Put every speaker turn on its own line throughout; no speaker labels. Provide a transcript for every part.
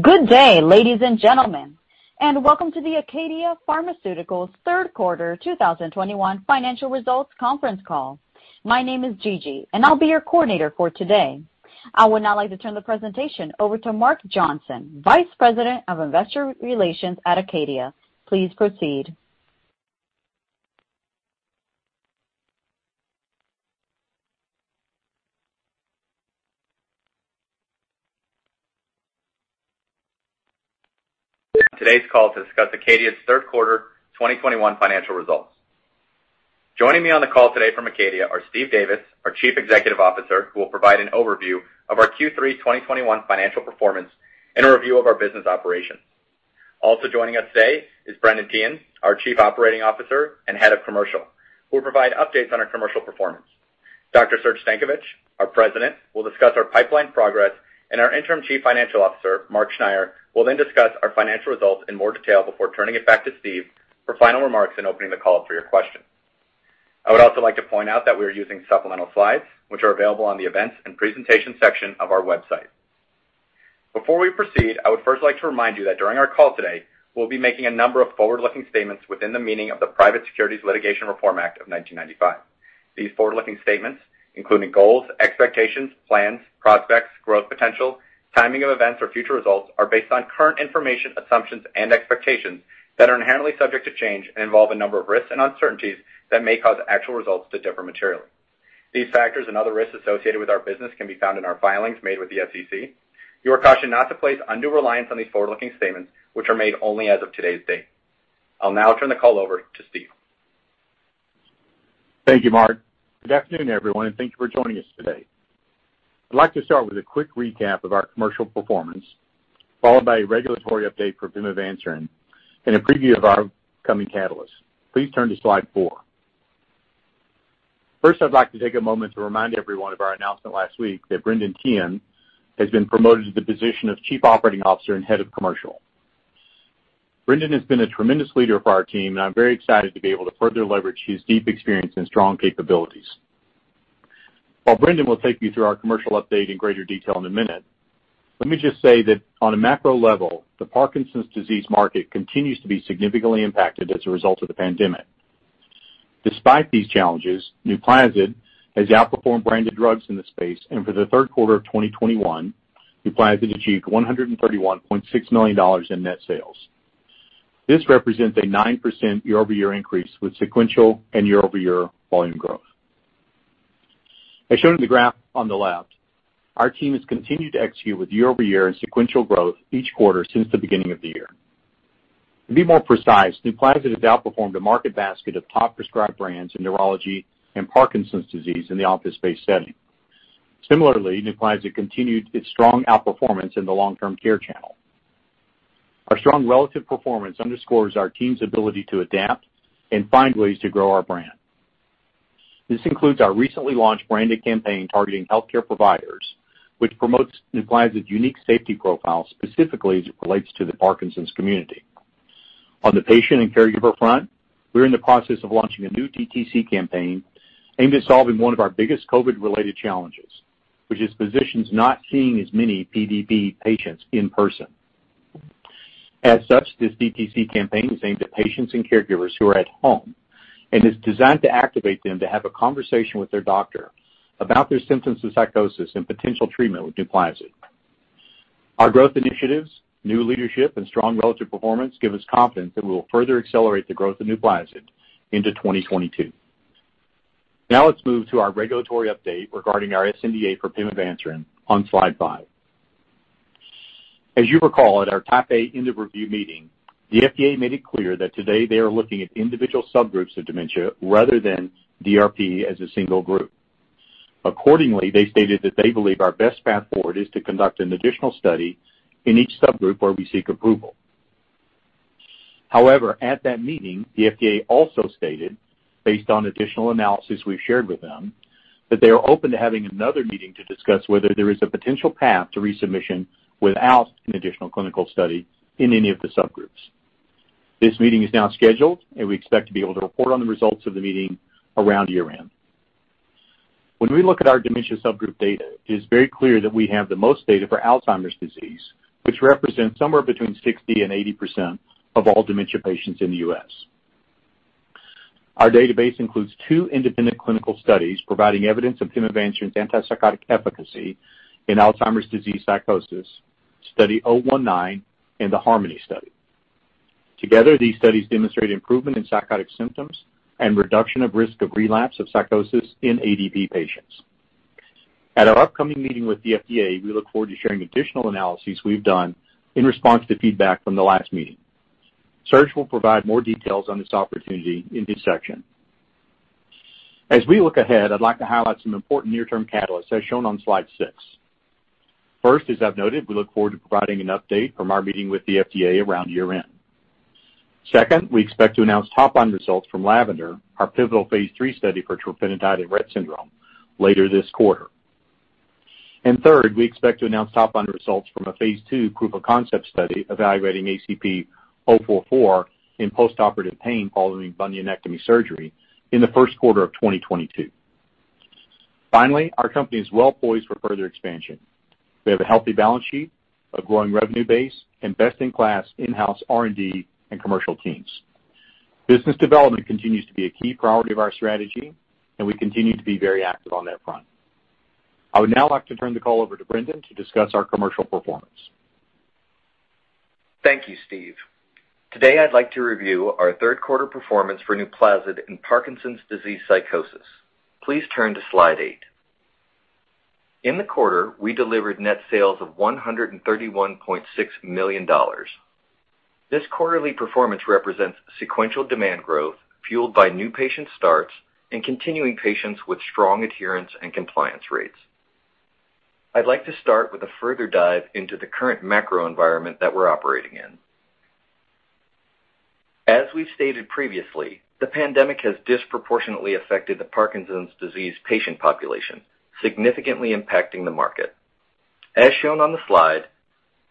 Good day, ladies and gentlemen, and welcome to the ACADIA Pharmaceuticals third quarter 2021 financial results conference call. My name is Gigi, and I'll be your coordinator for today. I would now like to turn the presentation over to Mark Johnson, Vice President of Investor Relations at ACADIA Pharmaceuticals. Please proceed.
Today's call to discuss ACADIA's third quarter 2021 financial results. Joining me on the call today from ACADIA are Steve Davis, our Chief Executive Officer, who will provide an overview of our Q3 2021 financial performance and a review of our business operations. Also joining us today is Brendan Teehan, our Chief Operating Officer and Head of Commercial, who will provide updates on our commercial performance. Dr. Serge Stankovic, our President, will discuss our pipeline progress, and our interim Chief Financial Officer, Mark Schneyer, will then discuss our financial results in more detail before turning it back to Steve for final remarks and opening the call for your questions. I would also like to point out that we are using supplemental slides, which are available on the events and presentation section of our website. Before we proceed, I would first like to remind you that during our call today, we'll be making a number of forward-looking statements within the meaning of the Private Securities Litigation Reform Act of 1995. These forward-looking statements, including goals, expectations, plans, prospects, growth potential, timing of events or future results, are based on current information, assumptions, and expectations that are inherently subject to change and involve a number of risks and uncertainties that may cause actual results to differ materially. These factors and other risks associated with our business can be found in our filings made with the SEC. You are cautioned not to place undue reliance on these forward-looking statements, which are made only as of today's date. I'll now turn the call over to Steve.
Thank you, Mark. Good afternoon, everyone, and thank you for joining us today. I'd like to start with a quick recap of our commercial performance, followed by a regulatory update for pimavanserin and a preview of our upcoming catalysts. Please turn to slide four. First, I'd like to take a moment to remind everyone of our announcement last week that Brendan Teehan has been promoted to the position of Chief Operating Officer and Head of Commercial. Brendan has been a tremendous leader for our team, and I'm very excited to be able to further leverage his deep experience and strong capabilities. While Brendan will take you through our commercial update in greater detail in a minute, let me just say that on a macro level, the Parkinson's disease market continues to be significantly impacted as a result of the pandemic. Despite these challenges, Nuplazid has outperformed branded drugs in the space, and for the third quarter of 2021, Nuplazid achieved $131.6 million in net sales. This represents a 9% year-over-year increase with sequential and year-over-year volume growth. As shown in the graph on the left, our team has continued to execute with year-over-year and sequential growth each quarter since the beginning of the year. To be more precise, Nuplazid has outperformed a market basket of top prescribed brands in neurology and Parkinson's disease in the office-based setting. Similarly, Nuplazid continued its strong outperformance in the long-term care channel. Our strong relative performance underscores our team's ability to adapt and find ways to grow our brand. This includes our recently launched branded campaign targeting healthcare providers, which promotes Nuplazid's unique safety profile specifically as it relates to the Parkinson's community. On the patient and caregiver front, we're in the process of launching a new DTC campaign aimed at solving one of our biggest COVID-related challenges, which is physicians not seeing as many PDP patients in person. As such, this DTC campaign is aimed at patients and caregivers who are at home and is designed to activate them to have a conversation with their doctor about their symptoms of psychosis and potential treatment with Nuplazid. Our growth initiatives, new leadership, and strong relative performance give us confidence that we will further accelerate the growth of Nuplazid into 2022. Now let's move to our regulatory update regarding our sNDA for pimavanserin on slide five. As you recall, at our Type A end of review meeting, the FDA made it clear that today they are looking at individual subgroups of dementia rather than DRP as a single group. Accordingly, they stated that they believe our best path forward is to conduct an additional study in each subgroup where we seek approval. However, at that meeting, the FDA also stated, based on additional analysis we've shared with them, that they are open to having another meeting to discuss whether there is a potential path to resubmission without an additional clinical study in any of the subgroups. This meeting is now scheduled, and we expect to be able to report on the results of the meeting around year-end. When we look at our dementia subgroup data, it is very clear that we have the most data for Alzheimer's disease, which represents somewhere between 60%-80% of all dementia patients in the U.S. Our database includes two independent clinical studies providing evidence of pimavanserin's antipsychotic efficacy in Alzheimer's disease psychosis, Study -019 and the HARMONY Study. Together, these studies demonstrate improvement in psychotic symptoms and reduction of risk of relapse of psychosis in ADP patients. At our upcoming meeting with the FDA, we look forward to sharing additional analyses we've done in response to feedback from the last meeting. Serge will provide more details on this opportunity in his section. As we look ahead, I'd like to highlight some important near-term catalysts as shown on slide six. First, as I've noted, we look forward to providing an update from our meeting with the FDA around year-end. Second, we expect to announce top line results from Lavender, our pivotal phase III study for trofinetide in Rett syndrome, later this quarter. Third, we expect to announce top line results from a phase II proof of concept study evaluating ACP-044 in postoperative pain following bunionectomy surgery in the first quarter of 2022. Finally, our company is well poised for further expansion. We have a healthy balance sheet, a growing revenue base, and best-in-class in-house R&D and commercial teams. Business development continues to be a key priority of our strategy, and we continue to be very active on that front. I would now like to turn the call over to Brendan to discuss our commercial performance.
Thank you, Steve. Today, I'd like to review our third quarter performance for Nuplazid in Parkinson's disease psychosis. Please turn to slide eight. In the quarter, we delivered net sales of $131.6 million. This quarterly performance represents sequential demand growth fueled by new patient starts and continuing patients with strong adherence and compliance rates. I'd like to start with a further dive into the current macro environment that we're operating in. As we've stated previously, the pandemic has disproportionately affected the Parkinson's disease patient population, significantly impacting the market. As shown on the slide,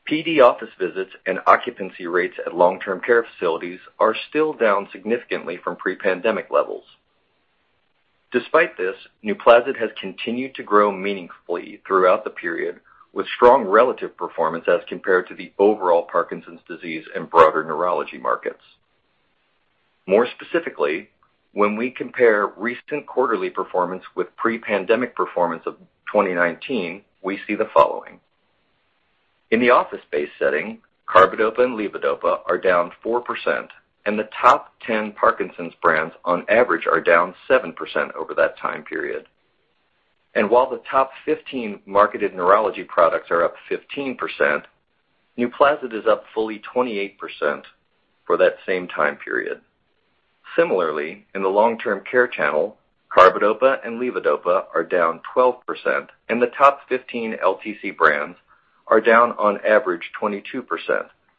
PD office visits and occupancy rates at long-term care facilities are still down significantly from pre-pandemic levels. Despite this, Nuplazid has continued to grow meaningfully throughout the period with strong relative performance as compared to the overall Parkinson's disease and broader neurology markets. More specifically, when we compare recent quarterly performance with pre-pandemic performance of 2019, we see the following. In the office-based setting, carbidopa and levodopa are down 4%, and the top 10 Parkinson's brands on average are down 7% over that time period. While the top 15 marketed neurology products are up 15%, Nuplazid is up fully 28% for that same time period. Similarly, in the long-term care channel, carbidopa and levodopa are down 12%, and the top 15 LTC brands are down on average 22%,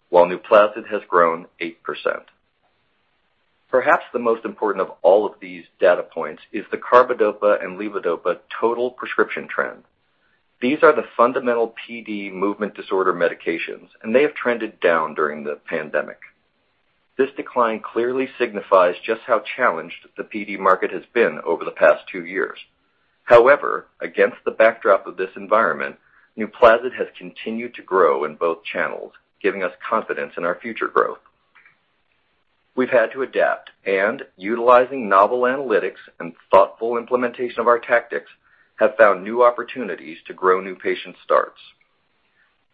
while Nuplazid has grown 8%. Perhaps the most important of all of these data points is the carbidopa and levodopa total prescription trend. These are the fundamental PD movement disorder medications, and they have trended down during the pandemic. This decline clearly signifies just how challenged the PD market has been over the past two years. However, against the backdrop of this environment, Nuplazid has continued to grow in both channels, giving us confidence in our future growth. We've had to adapt, and utilizing novel analytics and thoughtful implementation of our tactics have found new opportunities to grow new patient starts.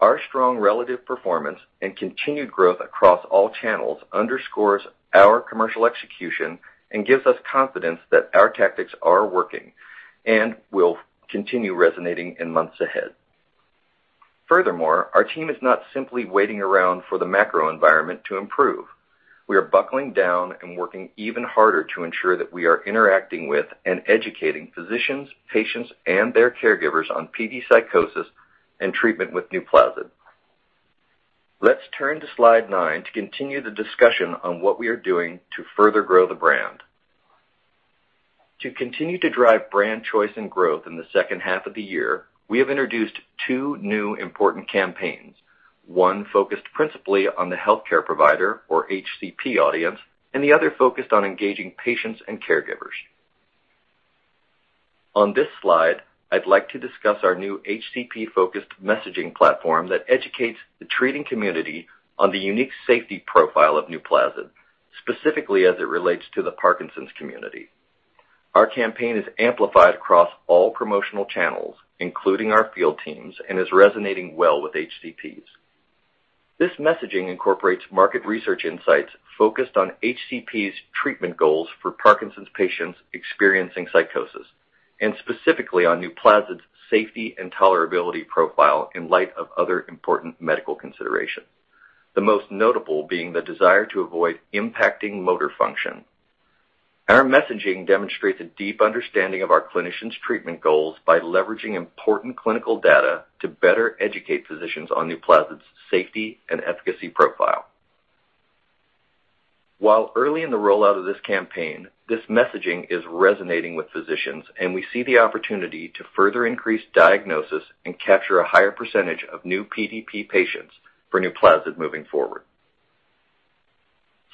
Our strong relative performance and continued growth across all channels underscores our commercial execution and gives us confidence that our tactics are working and will continue resonating in months ahead. Furthermore, our team is not simply waiting around for the macro environment to improve. We are buckling down and working even harder to ensure that we are interacting with and educating physicians, patients, and their caregivers on PD psychosis and treatment with Nuplazid. Let's turn to slide nine to continue the discussion on what we are doing to further grow the brand. To continue to drive brand choice and growth in the second half of the year, we have introduced two new important campaigns, one focused principally on the healthcare provider, or HCP audience, and the other focused on engaging patients and caregivers. On this slide, I'd like to discuss our new HCP-focused messaging platform that educates the treating community on the unique safety profile of Nuplazid, specifically as it relates to the Parkinson's community. Our campaign is amplified across all promotional channels, including our field teams, and is resonating well with HCPs. This messaging incorporates market research insights focused on HCP's treatment goals for Parkinson's patients experiencing psychosis, and specifically on Nuplazid's safety and tolerability profile in light of other important medical considerations, the most notable being the desire to avoid impacting motor function. Our messaging demonstrates a deep understanding of our clinicians' treatment goals by leveraging important clinical data to better educate physicians on Nuplazid's safety and efficacy profile. While early in the rollout of this campaign, this messaging is resonating with physicians, and we see the opportunity to further increase diagnosis and capture a higher percentage of new PDP patients for Nuplazid moving forward.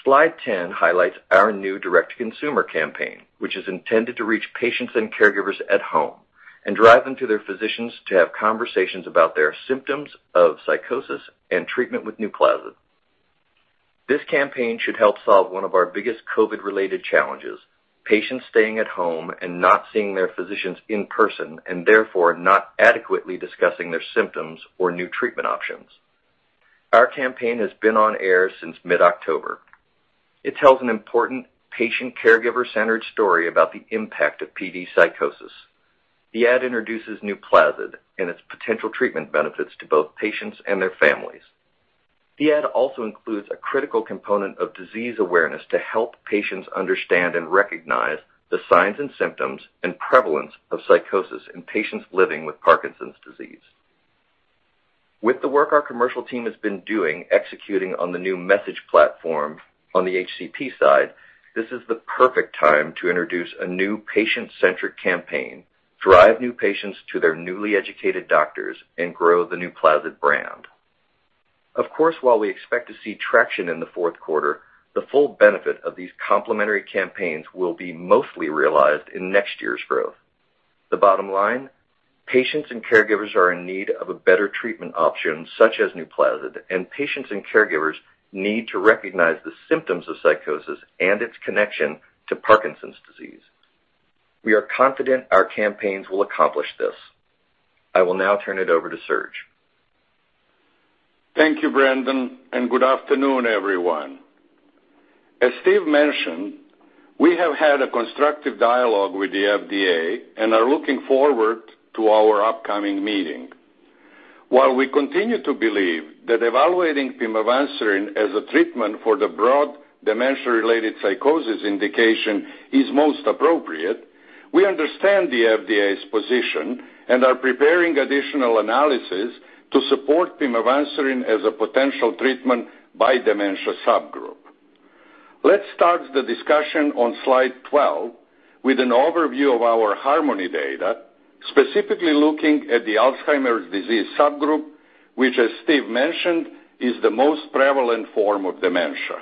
Slide 10 highlights our new direct-to-consumer campaign, which is intended to reach patients and caregivers at home and drive them to their physicians to have conversations about their symptoms of psychosis and treatment with Nuplazid. This campaign should help solve one of our biggest COVID-related challenges: patients staying at home and not seeing their physicians in person and therefore not adequately discussing their symptoms or new treatment options. Our campaign has been on air since mid-October. It tells an important patient/caregiver-centered story about the impact of PD psychosis. The ad introduces Nuplazid and its potential treatment benefits to both patients and their families. The ad also includes a critical component of disease awareness to help patients understand and recognize the signs and symptoms and prevalence of psychosis in patients living with Parkinson's disease. With the work our commercial team has been doing executing on the new message platform on the HCP side, this is the perfect time to introduce a new patient-centric campaign, drive new patients to their newly educated doctors, and grow the Nuplazid brand. Of course, while we expect to see traction in the fourth quarter, the full benefit of these complementary campaigns will be mostly realized in next year's growth. The bottom line, patients and caregivers are in need of a better treatment option, such as Nuplazid, and patients and caregivers need to recognize the symptoms of psychosis and its connection to Parkinson's disease. We are confident our campaigns will accomplish this. I will now turn it over to Serge.
Thank you, Brendan, and good afternoon, everyone. As Steve mentioned, we have had a constructive dialogue with the FDA and are looking forward to our upcoming meeting. While we continue to believe that evaluating pimavanserin as a treatment for the broad dementia-related psychosis indication is most appropriate, we understand the FDA's position and are preparing additional analysis to support pimavanserin as a potential treatment by dementia subgroup. Let's start the discussion on slide 12 with an overview of our HARMONY data, specifically looking at the Alzheimer's disease subgroup, which, as Steve mentioned, is the most prevalent form of dementia.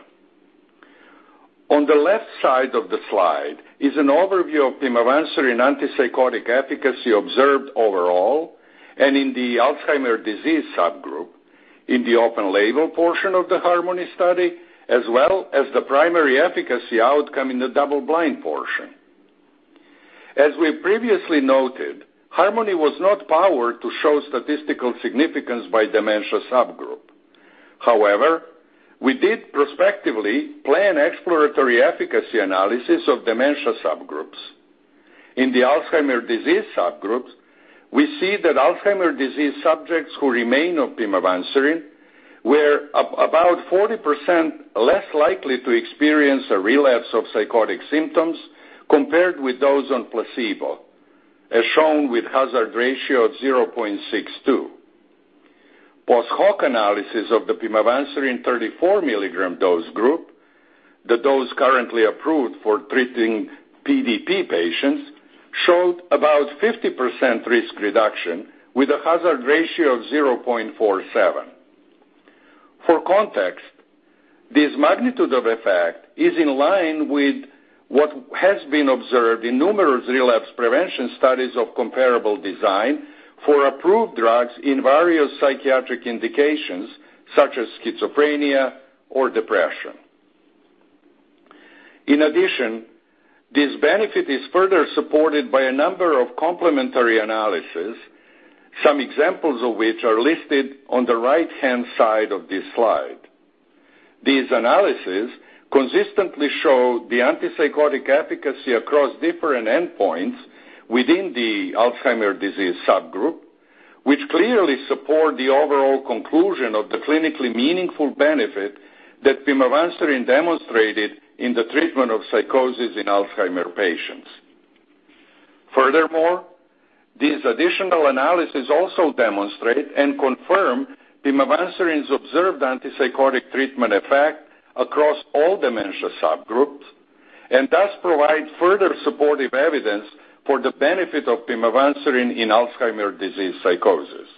On the left side of the slide is an overview of pimavanserin antipsychotic efficacy observed overall and in the Alzheimer's disease subgroup in the open label portion of the HARMONY study, as well as the primary efficacy outcome in the double-blind portion. As we previously noted, HARMONY was not powered to show statistical significance by dementia subgroup. However, we did prospectively plan exploratory efficacy analysis of dementia subgroups. In the Alzheimer's disease subgroups, we see that Alzheimer's disease subjects who remain on pimavanserin were about 40% less likely to experience a relapse of psychotic symptoms compared with those on placebo, as shown with hazard ratio of 0.62. Post-hoc analysis of the pimavanserin 34 mg dose group, the dose currently approved for treating PDP patients, showed about 50% risk reduction with a hazard ratio of 0.47. For context, this magnitude of effect is in line with what has been observed in numerous relapse prevention studies of comparable design for approved drugs in various psychiatric indications such as schizophrenia or depression. In addition, this benefit is further supported by a number of complementary analyses, some examples of which are listed on the right-hand side of this slide. These analyses consistently show the antipsychotic efficacy across different endpoints within the Alzheimer's disease subgroup, which clearly support the overall conclusion of the clinically meaningful benefit that pimavanserin demonstrated in the treatment of psychosis in Alzheimer patients. Furthermore, these additional analyses also demonstrate and confirm pimavanserin's observed antipsychotic treatment effect across all dementia subgroups and thus provide further supportive evidence for the benefit of pimavanserin in Alzheimer's disease psychosis.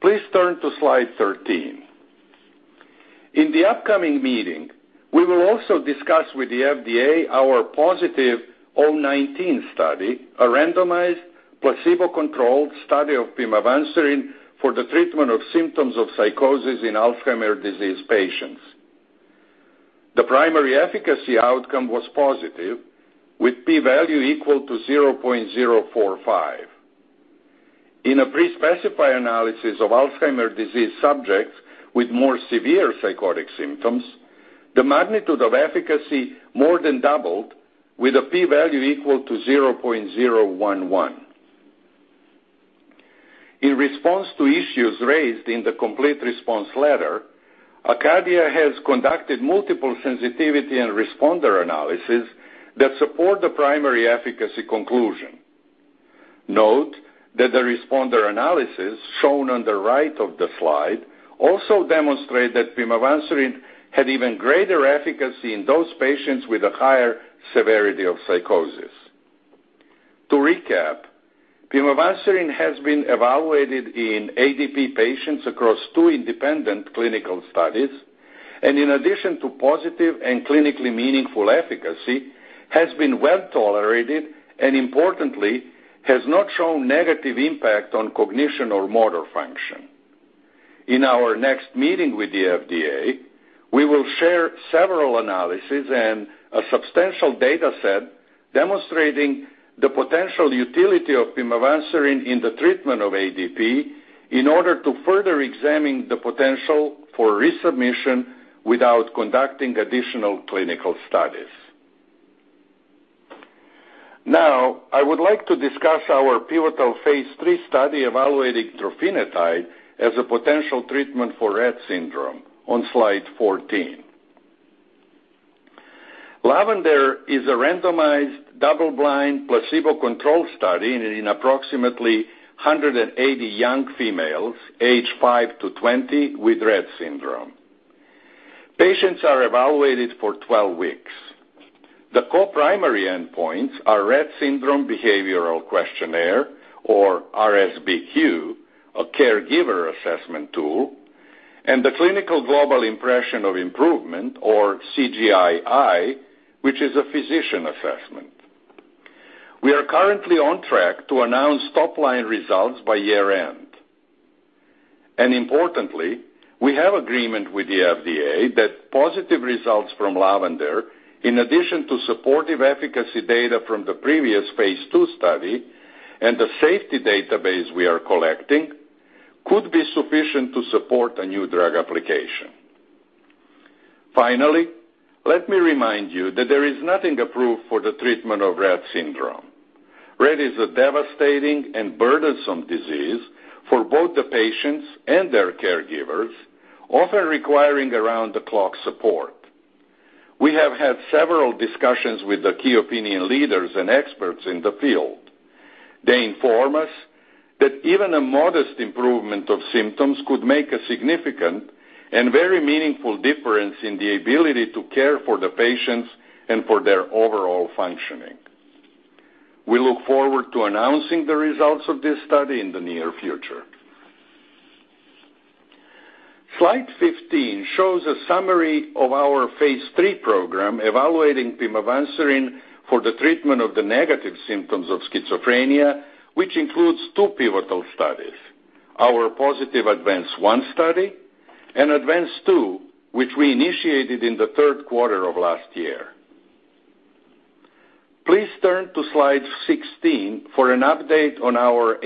Please turn to slide 13. In the upcoming meeting, we will also discuss with the FDA our positive 019 study, a randomized placebo-controlled study of pimavanserin for the treatment of symptoms of psychosis in Alzheimer's disease patients. The primary efficacy outcome was positive with p value equal to 0.045. In a pre-specified analysis of Alzheimer's disease subjects with more severe psychotic symptoms, the magnitude of efficacy more than doubled with a p-value equal to 0.011. In response to issues raised in the complete response letter, ACADIA has conducted multiple sensitivity and responder analysis that support the primary efficacy conclusion. Note that the responder analysis shown on the right of the slide also demonstrate that pimavanserin had even greater efficacy in those patients with a higher severity of psychosis. To recap, pimavanserin has been evaluated in ADP patients across two independent clinical studies, and in addition to positive and clinically meaningful efficacy, has been well-tolerated and importantly, has not shown negative impact on cognition or motor function. In our next meeting with the FDA, we will share several analysis and a substantial data set demonstrating the potential utility of pimavanserin in the treatment of ADP in order to further examine the potential for resubmission without conducting additional clinical studies. Now, I would like to discuss our pivotal phase III study evaluating trofinetide as a potential treatment for Rett syndrome on slide 14. Lavender is a randomized double-blind placebo-controlled study in approximately 180 young females aged five to 20 with Rett syndrome. Patients are evaluated for 12 weeks. The co-primary endpoints are Rett Syndrome Behavioral Questionnaire or RSBQ, a caregiver assessment tool, and the Clinical Global Impression of Improvement or CGI-I, which is a physician assessment. We are currently on track to announce top-line results by year-end. Importantly, we have agreement with the FDA that positive results from Lavender, in addition to supportive efficacy data from the previous phase II study and the safety database we are collecting, could be sufficient to support a new drug application. Finally, let me remind you that there is nothing approved for the treatment of Rett syndrome. Rett is a devastating and burdensome disease for both the patients and their caregivers, often requiring around-the-clock support. We have had several discussions with the key opinion leaders and experts in the field. They inform us that even a modest improvement of symptoms could make a significant and very meaningful difference in the ability to care for the patients and for their overall functioning. We look forward to announcing the results of this study in the near future. Slide 15 shows a summary of our phase III program evaluating pimavanserin for the treatment of the negative symptoms of schizophrenia, which includes two pivotal studies, our positive ADVANCE-1 study and ADVANCE-2, which we initiated in the third quarter of last year. Please turn to slide 16 for an update on our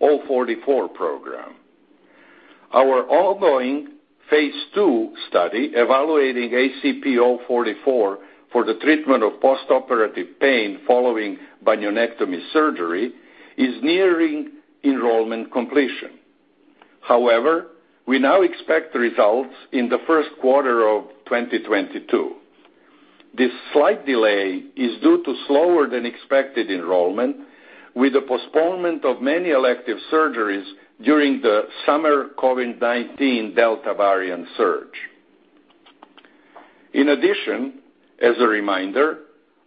ACP-044 program. Our ongoing phase II study evaluating ACP-044 for the treatment of postoperative pain following bunionectomy surgery is nearing enrollment completion. However, we now expect results in the first quarter of 2022. This slight delay is due to slower than expected enrollment with the postponement of many elective surgeries during the summer COVID-19 Delta variant surge. In addition, as a reminder,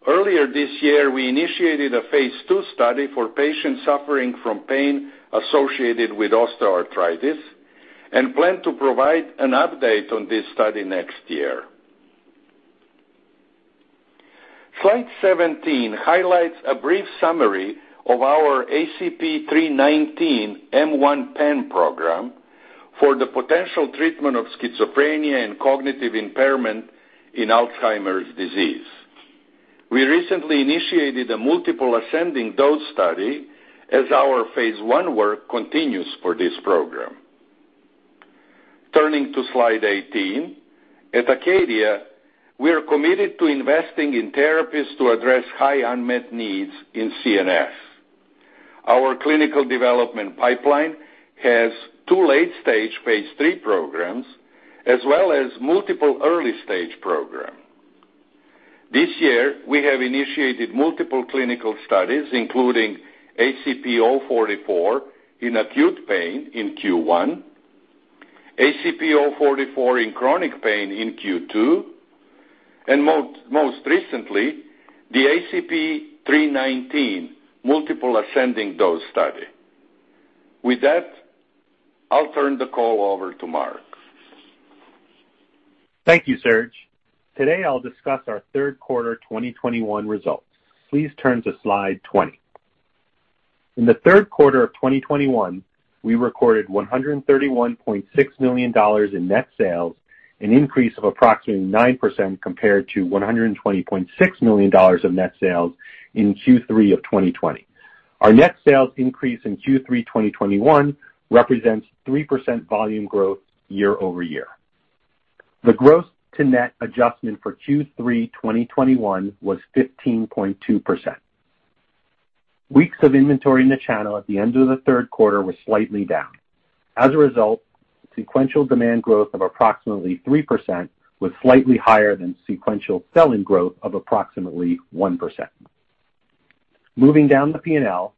earlier this year, we initiated a phase II study for patients suffering from pain associated with osteoarthritis and plan to provide an update on this study next year. Slide 17 highlights a brief summary of our ACP-319 M1 PAM program for the potential treatment of schizophrenia and cognitive impairment in Alzheimer's disease. We recently initiated a multiple ascending dose study as our phase I work continues for this program. Turning to slide 18. At ACADIA, we are committed to investing in therapies to address high unmet needs in CNS. Our clinical development pipeline has two late-stage phase III programs as well as multiple early-stage program. This year, we have initiated multiple clinical studies, including ACP044 in acute pain in Q1, ACP044 in chronic pain in Q2, and most recently, the ACP-319 multiple ascending dose study. With that, I'll turn the call over to Mark.
Thank you, Serge. Today, I'll discuss our third quarter 2021 results. Please turn to slide 20. In the third quarter of 2021, we recorded $131.6 million in net sales, an increase of approximately 9% compared to $120.6 million of net sales in Q3 of 2020. Our net sales increase in Q3 2021 represents 3% volume growth year-over-year. The growth to net adjustment for Q3 2021 was 15.2%. Weeks of inventory in the channel at the end of the third quarter were slightly down. As a result, sequential demand growth of approximately 3% was slightly higher than sequential sell-in growth of approximately 1%. Moving down the P&L,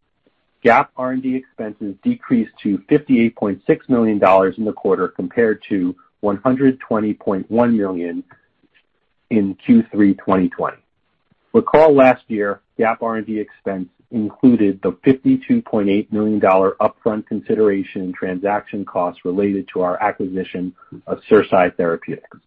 GAAP R&D expenses decreased to $58.6 million in the quarter compared to $120.1 million in Q3 2020. Recall last year, GAAP R&D expense included the $52.8 million upfront consideration and transaction costs related to our acquisition of CerSci Therapeutics.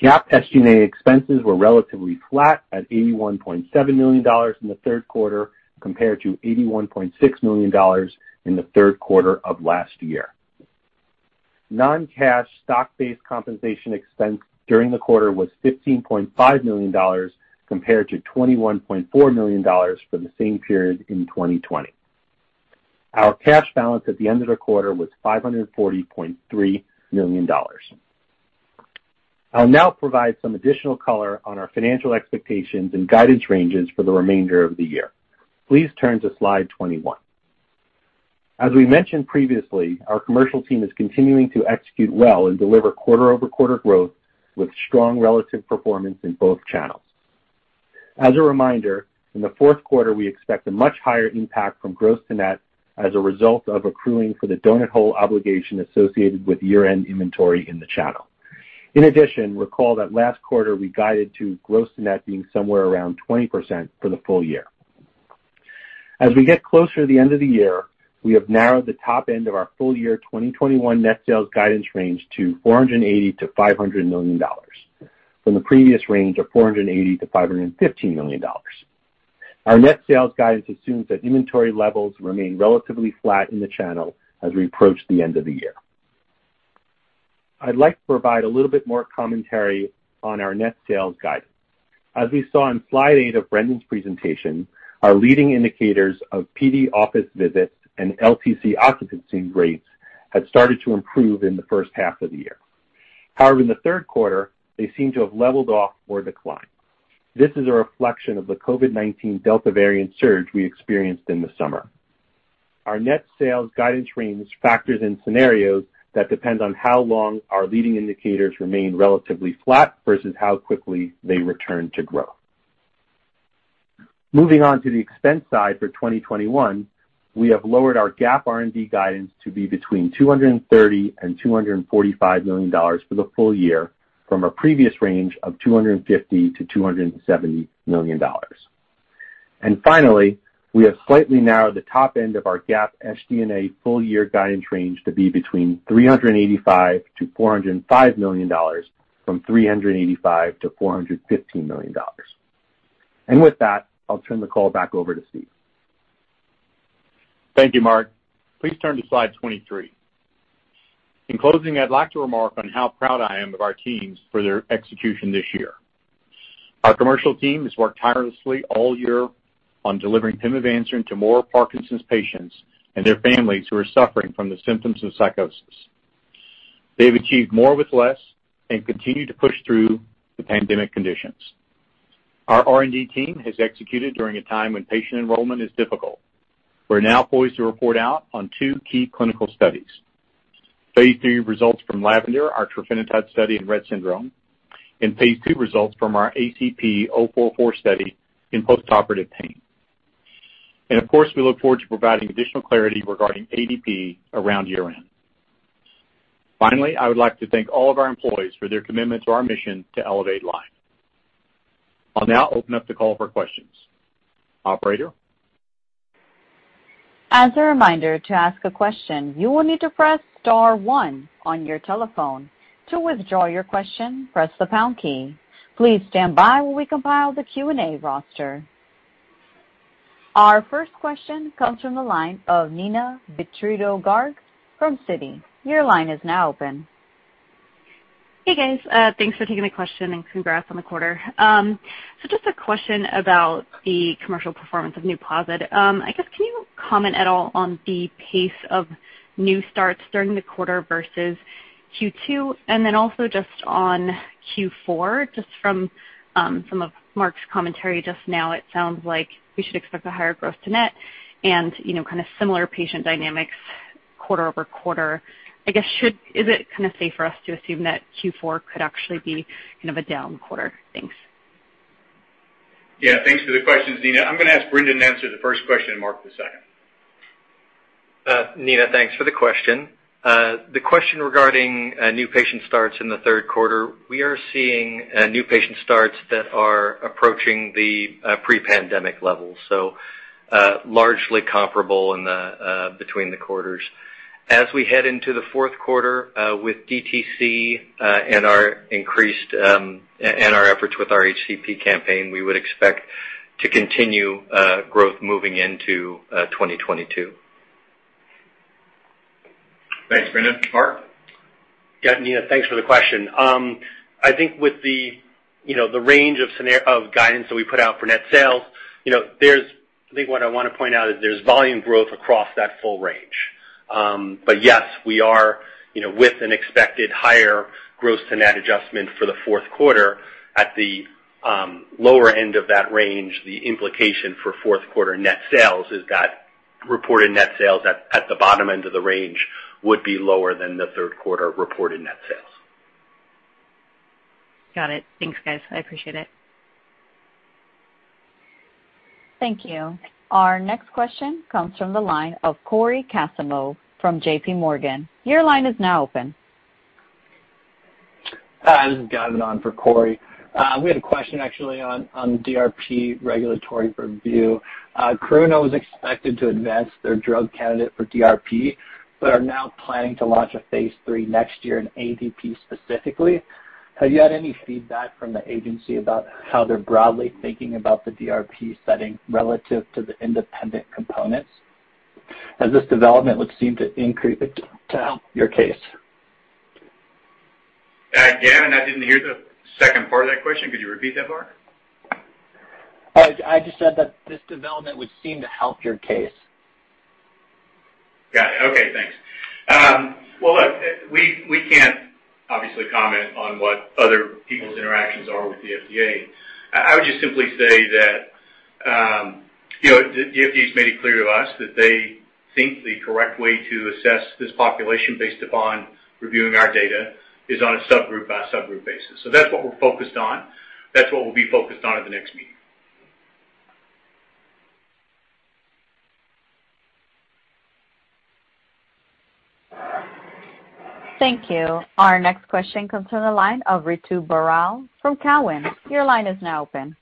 GAAP SG&A expenses were relatively flat at $81.7 million in the third quarter compared to $81.6 million in the third quarter of last year. Non-cash stock-based compensation expense during the quarter was $15.5 million compared to $21.4 million for the same period in 2020. Our cash balance at the end of the quarter was $540.3 million. I'll now provide some additional color on our financial expectations and guidance ranges for the remainder of the year. Please turn to Slide 21. As we mentioned previously, our commercial team is continuing to execute well and deliver quarter-over-quarter growth with strong relative performance in both channels. As a reminder, in the fourth quarter, we expect a much higher impact from gross to net as a result of accruing for the donut hole obligation associated with year-end inventory in the channel. In addition, recall that last quarter we guided to gross to net being somewhere around 20% for the full year. As we get closer to the end of the year, we have narrowed the top end of our full year 2021 net sales guidance range to $480 million-$500 million from the previous range of $480 million-$515 million. Our net sales guidance assumes that inventory levels remain relatively flat in the channel as we approach the end of the year. I'd like to provide a little bit more commentary on our net sales guidance. As we saw in slide eight of Brendan's presentation, our leading indicators of PD office visits and LTC occupancy rates had started to improve in the first half of the year. However, in the third quarter, they seem to have leveled off or declined. This is a reflection of the COVID-19 Delta variant surge we experienced in the summer. Our net sales guidance range factors in scenarios that depend on how long our leading indicators remain relatively flat versus how quickly they return to growth. Moving on to the expense side for 2021, we have lowered our GAAP R&D guidance to be between $230 million and $245 million for the full year from a previous range of $250 million-$270 million. Finally, we have slightly narrowed the top end of our GAAP SG&A full-year guidance range to be between $385 million and $405 million from $385 million-$415 million. With that, I'll turn the call back over to Steve.
Thank you, Mark. Please turn to slide 23. In closing, I'd like to remark on how proud I am of our teams for their execution this year. Our commercial team has worked tirelessly all year on delivering pimavanserin to more Parkinson's patients and their families who are suffering from the symptoms of psychosis. They've achieved more with less and continue to push through the pandemic conditions. Our R&D team has executed during a time when patient enrollment is difficult. We're now poised to report out on two key clinical studies. Phase III results from Lavender, our trofinetide study in Rett syndrome, and phase II results from our ACP-044 study in postoperative pain. Of course, we look forward to providing additional clarity regarding ADP around year-end. Finally, I would like to thank all of our employees for their commitment to our mission to elevate life. I'll now open up the call for questions. Operator?
As a reminder, to ask a question, you will need to press star one on your telephone. To withdraw your question, press the pound key. Please stand by while we compile the Q&A roster. Our first question comes from the line of Neena Bitritto-Garg from Citi. Your line is now open.
Hey, guys. Thanks for taking the question and congrats on the quarter. Just a question about the commercial performance of Nuplazid. I guess can you comment at all on the pace of new starts during the quarter versus Q2? Also just on Q4, just from some of Mark's commentary just now, it sounds like we should expect a higher growth to net and, you know, kinda similar patient dynamics quarter over quarter. I guess, is it kinda safe for us to assume that Q4 could actually be kind of a down quarter? Thanks.
Yeah. Thanks for the questions, Neena. I'm gonna ask Brendan to answer the first question and Mark the second.
Neena, thanks for the question. The question regarding new patient starts in the third quarter, we are seeing new patient starts that are approaching the pre-pandemic levels, so largely comparable between the quarters. As we head into the fourth quarter, with DTC and our increased efforts with our HCP campaign, we would expect to continue growth moving into 2022.
Thanks, Brendan. Mark?
Yeah, Neena, thanks for the question. I think with the, you know, the range of guidance that we put out for net sales, you know, there's. I think what I wanna point out is there's volume growth across that full range. Yes, we are, you know, with an expected higher gross to net adjustment for the fourth quarter at the lower end of that range. The implication for fourth quarter net sales is that reported net sales at the bottom end of the range would be lower than the third quarter reported net sales.
Got it. Thanks, guys. I appreciate it.
Thank you. Our next question comes from the line of Cory Kasimov from JPMorgan. Your line is now open.
Hi, this is Gavin on for Cory. We had a question actually on DRP regulatory review. Karuna was expected to advance their drug candidate for DRP, but are now planning to launch a phase III next year in ADP specifically. Have you had any feedback from the agency about how they're broadly thinking about the DRP setting relative to the independent components as this development would seem to increase it to help your case?
Gavin, I didn't hear the second part of that question. Could you repeat that part?
I just said that this development would seem to help your case.
Got it. Okay, thanks. Well, look, we can't obviously comment on what other people's interactions are with the FDA. I would just simply say that. You know, the FDA has made it clear to us that they think the correct way to assess this population based upon reviewing our data is on a subgroup by subgroup basis. That's what we're focused on. That's what we'll be focused on at the next meeting.
Thank you. Our next question comes from the line of Ritu Baral from Cowen. Your line is now open.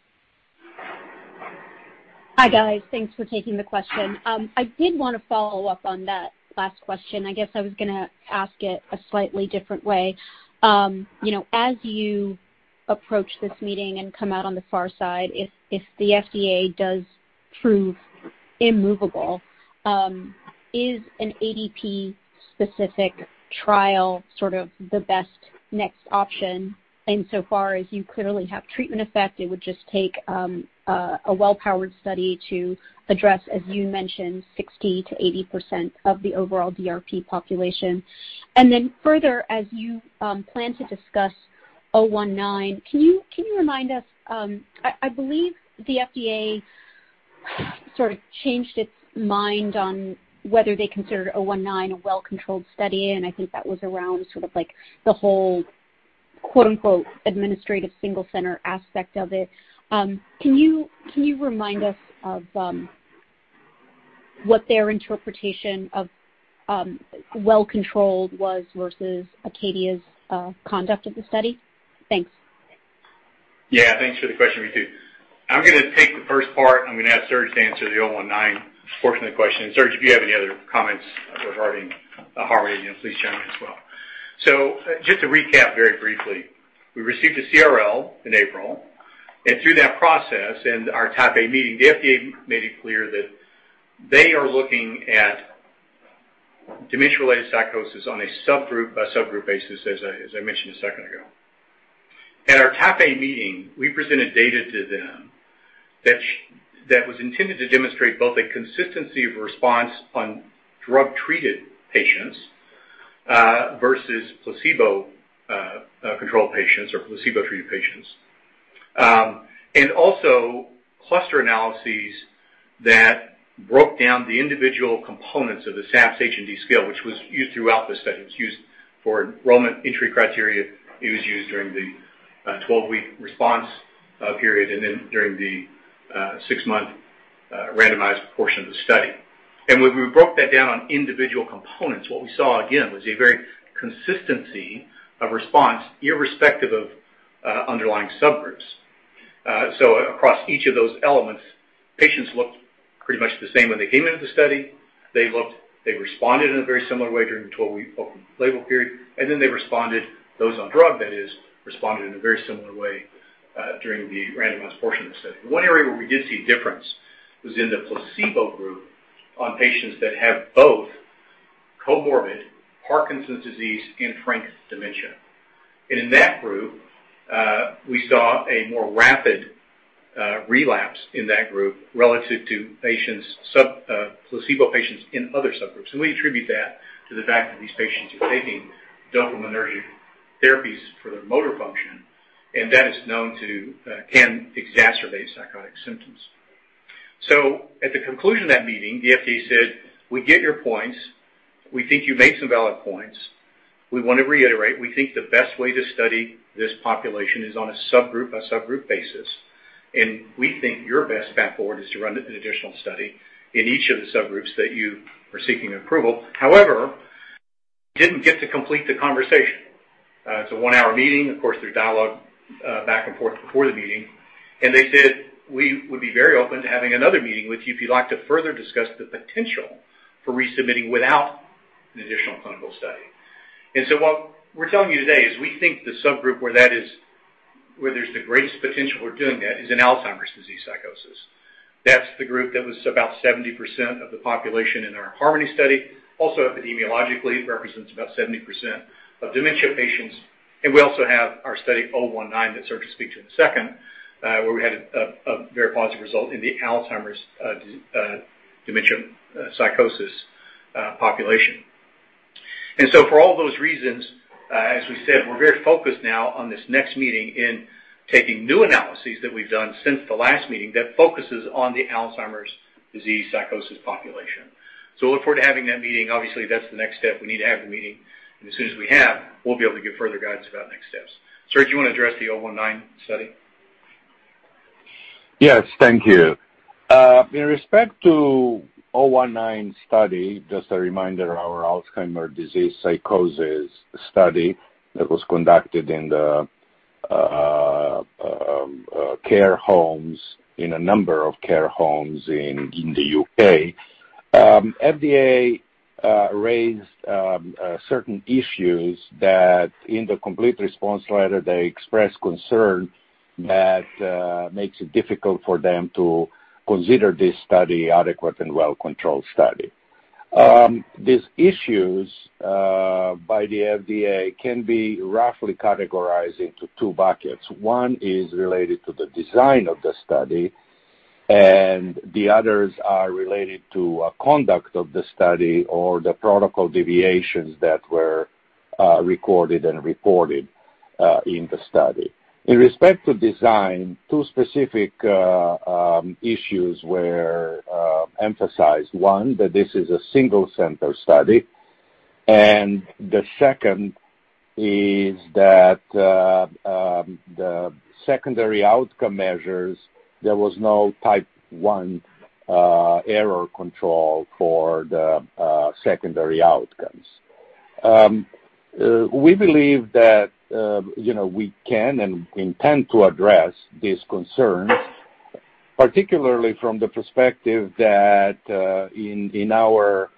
Hi, guys. Thanks for taking the question. I did wanna follow up on that last question. I guess I was gonna ask it a slightly different way. You know, as you approach this meeting and come out on the far side, if the FDA does prove immovable, is an ADP specific trial sort of the best next option insofar as you clearly have treatment effect? It would just take a well-powered study to address, as you mentioned, 60%-80% of the overall DRP population. Then further, as you plan to discuss 019, can you remind us? I believe the FDA sort of changed its mind on whether they considered 019 a well-controlled study, and I think that was around sort of like the whole, quote-unquote, "administrative single center" aspect of it. Can you remind us of what their interpretation of well controlled was versus Acadia's conduct of the study? Thanks.
Yeah. Thanks for the question, Ritu. I'm gonna take the first part, and I'm gonna ask Serge to answer the 019 portion of the question. Serge, if you have any other comments regarding HARMONY, please chime in as well. Just to recap very briefly, we received a CRL in April. Through that process and our Type A meeting, the FDA made it clear that they are looking at dementia-related psychosis on a subgroup by subgroup basis, as I mentioned a second ago. At our Type A meeting, we presented data to them that was intended to demonstrate both a consistency of response on drug-treated patients versus placebo control patients or placebo-treated patients, and also cluster analyses that broke down the individual components of the SAPS-H+D scale, which was used throughout the study. It was used for enrollment entry criteria. It was used during the 12-week response period and then during the six month randomized portion of the study. When we broke that down on individual components, what we saw again was a very consistent response irrespective of underlying subgroups. Across each of those elements, patients looked pretty much the same when they came into the study. They responded in a very similar way during the 12-week open-label period, and then they responded, those on drug that is, responded in a very similar way during the randomized portion of the study. One area where we did see a difference was in the placebo group on patients that have both comorbid Parkinson's disease and frank dementia. In that group, we saw a more rapid relapse in that group relative to patients sub placebo patients in other subgroups. We attribute that to the fact that these patients are taking dopaminergic therapies for their motor function, and that is known to can exacerbate psychotic symptoms. At the conclusion of that meeting, the FDA said, "We get your points. We think you make some valid points. We wanna reiterate, we think the best way to study this population is on a subgroup by subgroup basis, and we think your best path forward is to run an additional study in each of the subgroups that you are seeking approval." However, we didn't get to complete the conversation. It's a one-hour meeting, of course, through dialogue back and forth before the meeting. They said, "We would be very open to having another meeting with you if you'd like to further discuss the potential for resubmitting without an additional clinical study." What we're telling you today is we think the subgroup where that is, where there's the greatest potential for doing that is in Alzheimer's disease psychosis. That's the group that was about 70% of the population in our HARMONY study. Also, epidemiologically, it represents about 70% of dementia patients. We also have our study 019 that Serge will speak to in a second, where we had a very positive result in the Alzheimer's dementia psychosis population. For all those reasons, as we said, we're very focused now on this next meeting and taking new analyses that we've done since the last meeting that focuses on the Alzheimer's disease psychosis population. Look forward to having that meeting. Obviously, that's the next step. We need to have the meeting. As soon as we have, we'll be able to give further guidance about next steps. Serge, do you wanna address the 019 study?
Yes. Thank you. In respect to 019 study, just a reminder, our Alzheimer's disease psychosis study that was conducted in the care homes, in a number of care homes in the U.K. FDA raised certain issues that in the complete response letter, they expressed concern that makes it difficult for them to consider this study adequate and well-controlled study. These issues by the FDA can be roughly categorized into two buckets. One is related to the design of the study, and the others are related to conduct of the study or the protocol deviations that were recorded and reported in the study. In respect to design, two specific issues were emphasized. One, that this is a single center study, and the second is that, the secondary outcome measures, there was no type one error control for the secondary outcomes. We believe that, you know, we can and intend to address these concerns, particularly from the perspective that, in our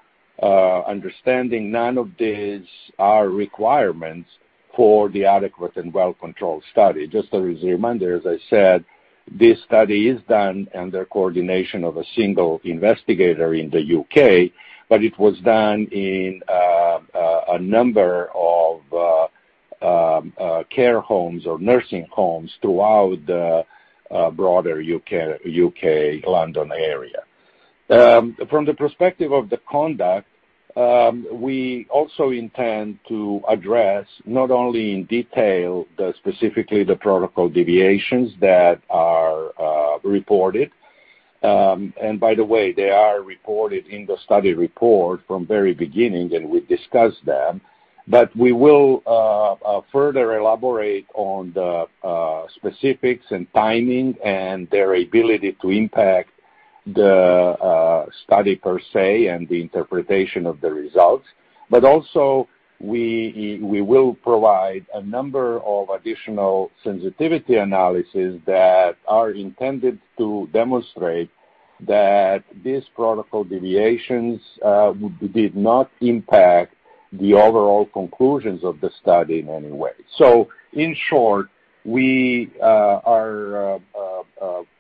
understanding, none of these are requirements for the adequate and well-controlled study. Just as a reminder, as I said, this study is done under coordination of a single investigator in the U.K., but it was done in a number of care homes or nursing homes throughout the broader U.K. London area. From the perspective of the conduct, we also intend to address not only in detail specifically the protocol deviations that are reported. By the way, they are reported in the study report from the very beginning, and we discussed them. We will further elaborate on the specifics and timing and their ability to impact the study per se and the interpretation of the results. We will provide a number of additional sensitivity analyses that are intended to demonstrate that these protocol deviations did not impact the overall conclusions of the study in any way. In short,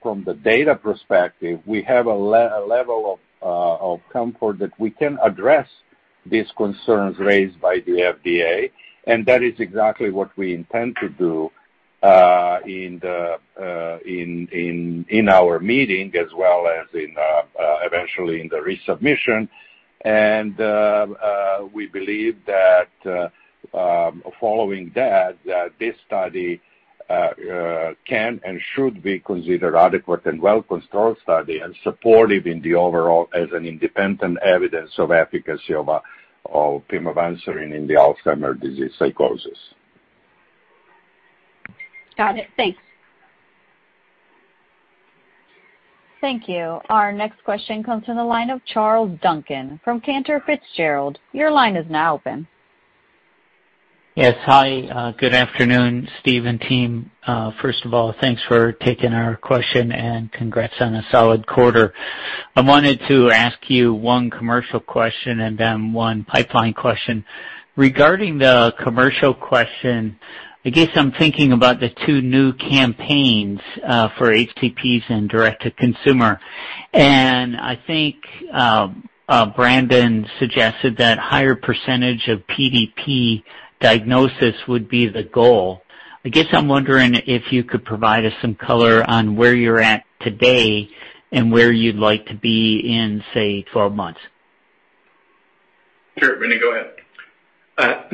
from the data perspective, we have a level of comfort that we can address these concerns raised by the FDA, and that is exactly what we intend to do in our meeting as well as eventually in the resubmission. We believe that following that this study can and should be considered adequate and well-controlled study and supportive in the overall as an independent evidence of efficacy of pimavanserin in the Alzheimer's disease psychosis.
Got it. Thanks.
Thank you. Our next question comes from the line of Charles Duncan from Cantor Fitzgerald. Your line is now open.
Yes. Hi. Good afternoon, Steve and team. First of all, thanks for taking our question and congrats on a solid quarter. I wanted to ask you one commercial question and then one pipeline question. Regarding the commercial question, I guess I'm thinking about the two new campaigns for HCPs and direct-to-consumer. I think, Brendan suggested that higher percentage of PDP diagnosis would be the goal. I guess I'm wondering if you could provide us some color on where you're at today and where you'd like to be in, say, 12 months.
Sure. Brendan, go ahead.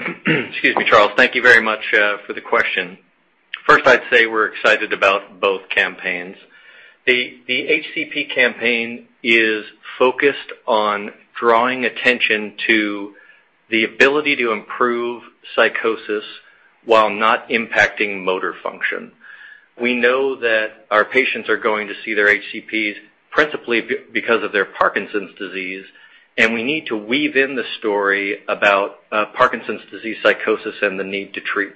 Excuse me, Charles. Thank you very much for the question. First, I'd say we're excited about both campaigns. The HCP campaign is focused on drawing attention to the ability to improve psychosis while not impacting motor function. We know that our patients are going to see their HCPs principally because of their Parkinson's disease, and we need to weave in the story about Parkinson's disease psychosis and the need to treat.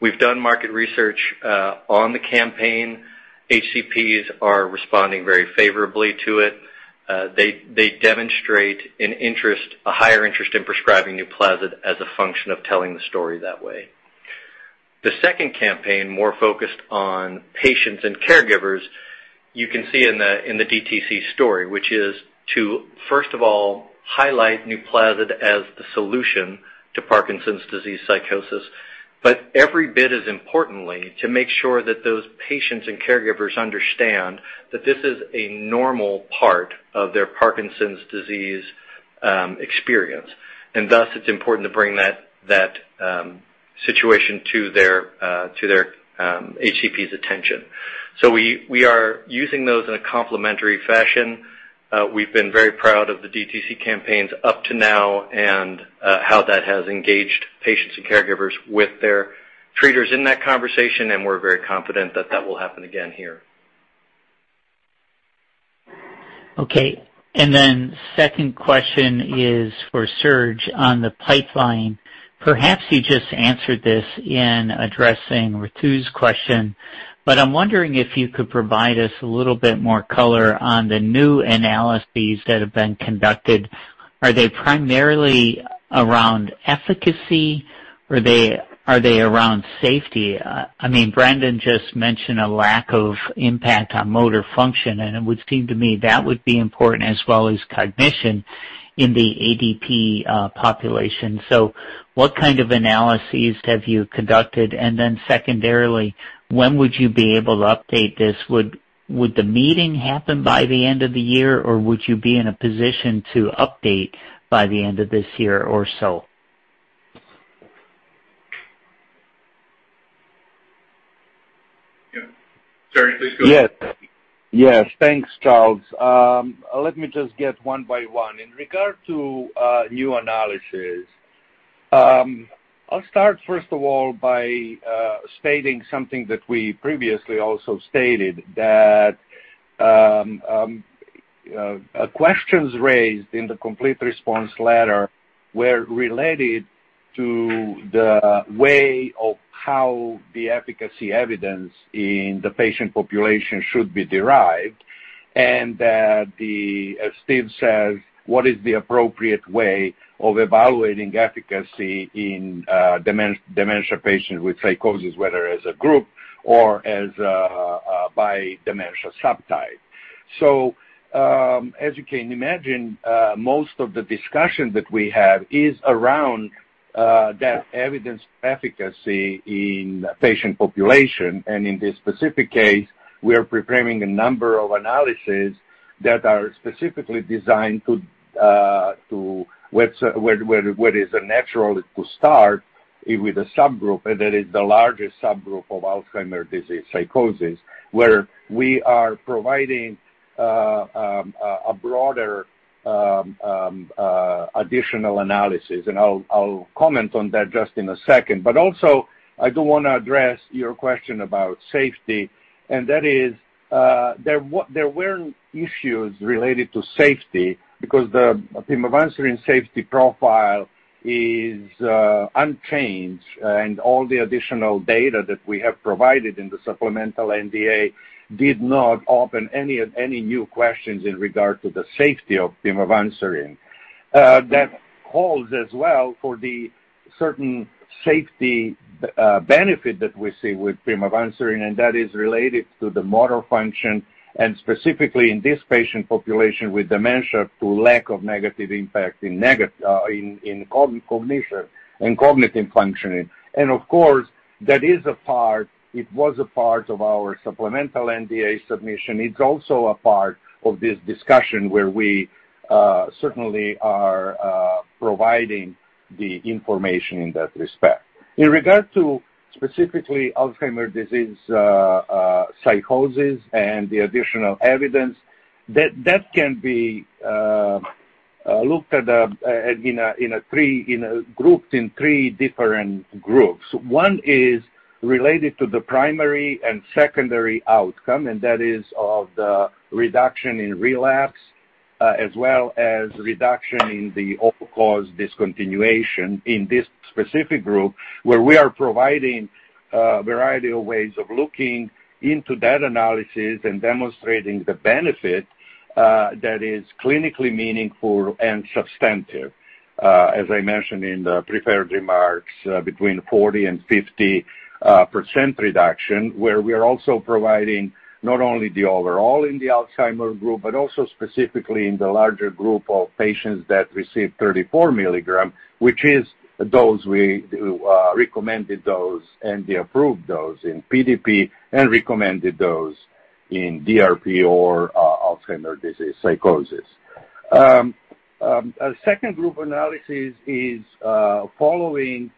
We've done market research on the campaign. HCPs are responding very favorably to it. They demonstrate an interest, a higher interest in prescribing Nuplazid as a function of telling the story that way. The second campaign, more focused on patients and caregivers, you can see in the DTC story, which is to first of all highlight Nuplazid as the solution to Parkinson's disease psychosis. Every bit as importantly to make sure that those patients and caregivers understand that this is a normal part of their Parkinson's disease experience. Thus it's important to bring that situation to their HCPs' attention. We are using those in a complementary fashion. We've been very proud of the DTC campaigns up to now and how that has engaged patients and caregivers with their treaters in that conversation, and we're very confident that will happen again here.
Okay. Second question is for Serge on the pipeline. Perhaps you just answered this in addressing Ritu's question, but I'm wondering if you could provide us a little bit more color on the new analyses that have been conducted. Are they primarily around efficacy? Are they around safety? I mean, Brendan just mentioned a lack of impact on motor function, and it would seem to me that would be important as well as cognition in the ADP population. What kind of analyses have you conducted? And then secondarily, when would you be able to update this? Would the meeting happen by the end of the year, or would you be in a position to update by the end of this year or so?
Serge Stankovic.
Yes. Thanks, Charles. Let me just get one by one. In regard to new analysis, I'll start first of all by stating something that we previously also stated, that questions raised in the complete response letter were related to the way of how the efficacy evidence in the patient population should be derived and that as Steve says, what is the appropriate way of evaluating efficacy in dementia patients with psychosis, whether as a group or as a by dementia subtype. As you can imagine, most of the discussion that we have is around that efficacy evidence in patient population. In this specific case, we are preparing a number of analyses that are specifically designed to where it is natural to start with a subgroup, and that is the largest subgroup of Alzheimer's disease psychosis, where we are providing a broader additional analysis and I'll comment on that just in a second. I do wanna address your question about safety and that is, there weren't issues related to safety because the pimavanserin safety profile is unchanged and all the additional data that we have provided in the supplemental NDA did not open any new questions in regard to the safety of pimavanserin. That holds as well for the certain safety benefit that we see with pimavanserin and that is related to the motor function and specifically in this patient population with dementia to lack of negative impact in cognition and cognitive functioning. Of course, that is a part, it was a part of our supplemental NDA submission. It's also a part of this discussion where we certainly are providing the information in that respect. In regard to specifically Alzheimer's disease psychosis and the additional evidence, that can be looked at grouped in three different groups. One is related to the primary and secondary outcome and that is of the reduction in relapse, as well as reduction in the all-cause discontinuation in this specific group where we are providing a variety of ways of looking into that analysis and demonstrating the benefit that is clinically meaningful and substantive. As I mentioned in the prepared remarks, between 40%-50% reduction where we are also providing not only the overall in the Alzheimer's group but also specifically in the larger group of patients that receive 34 mg which is the dose we recommended dose and the approved dose in PDP and recommended dose in DRP or Alzheimer's disease psychosis. A second group analysis is following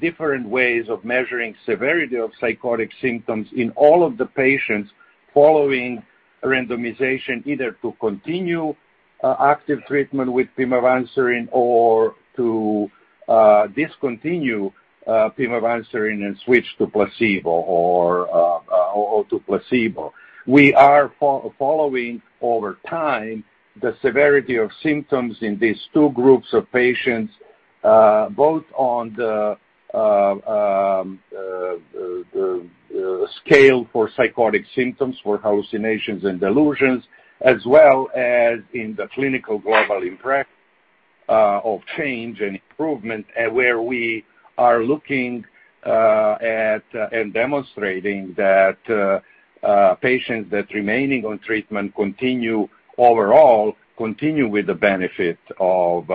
different ways of measuring severity of psychotic symptoms in all of the patients following randomization either to continue active treatment with pimavanserin or to discontinue pimavanserin and switch to placebo. We are following over time the severity of symptoms in these two groups of patients both on the scale for psychotic symptoms for hallucinations and delusions as well as in the clinical global impact of change and improvement and where we are looking at and demonstrating that patients that remaining on treatment continue overall with the benefit of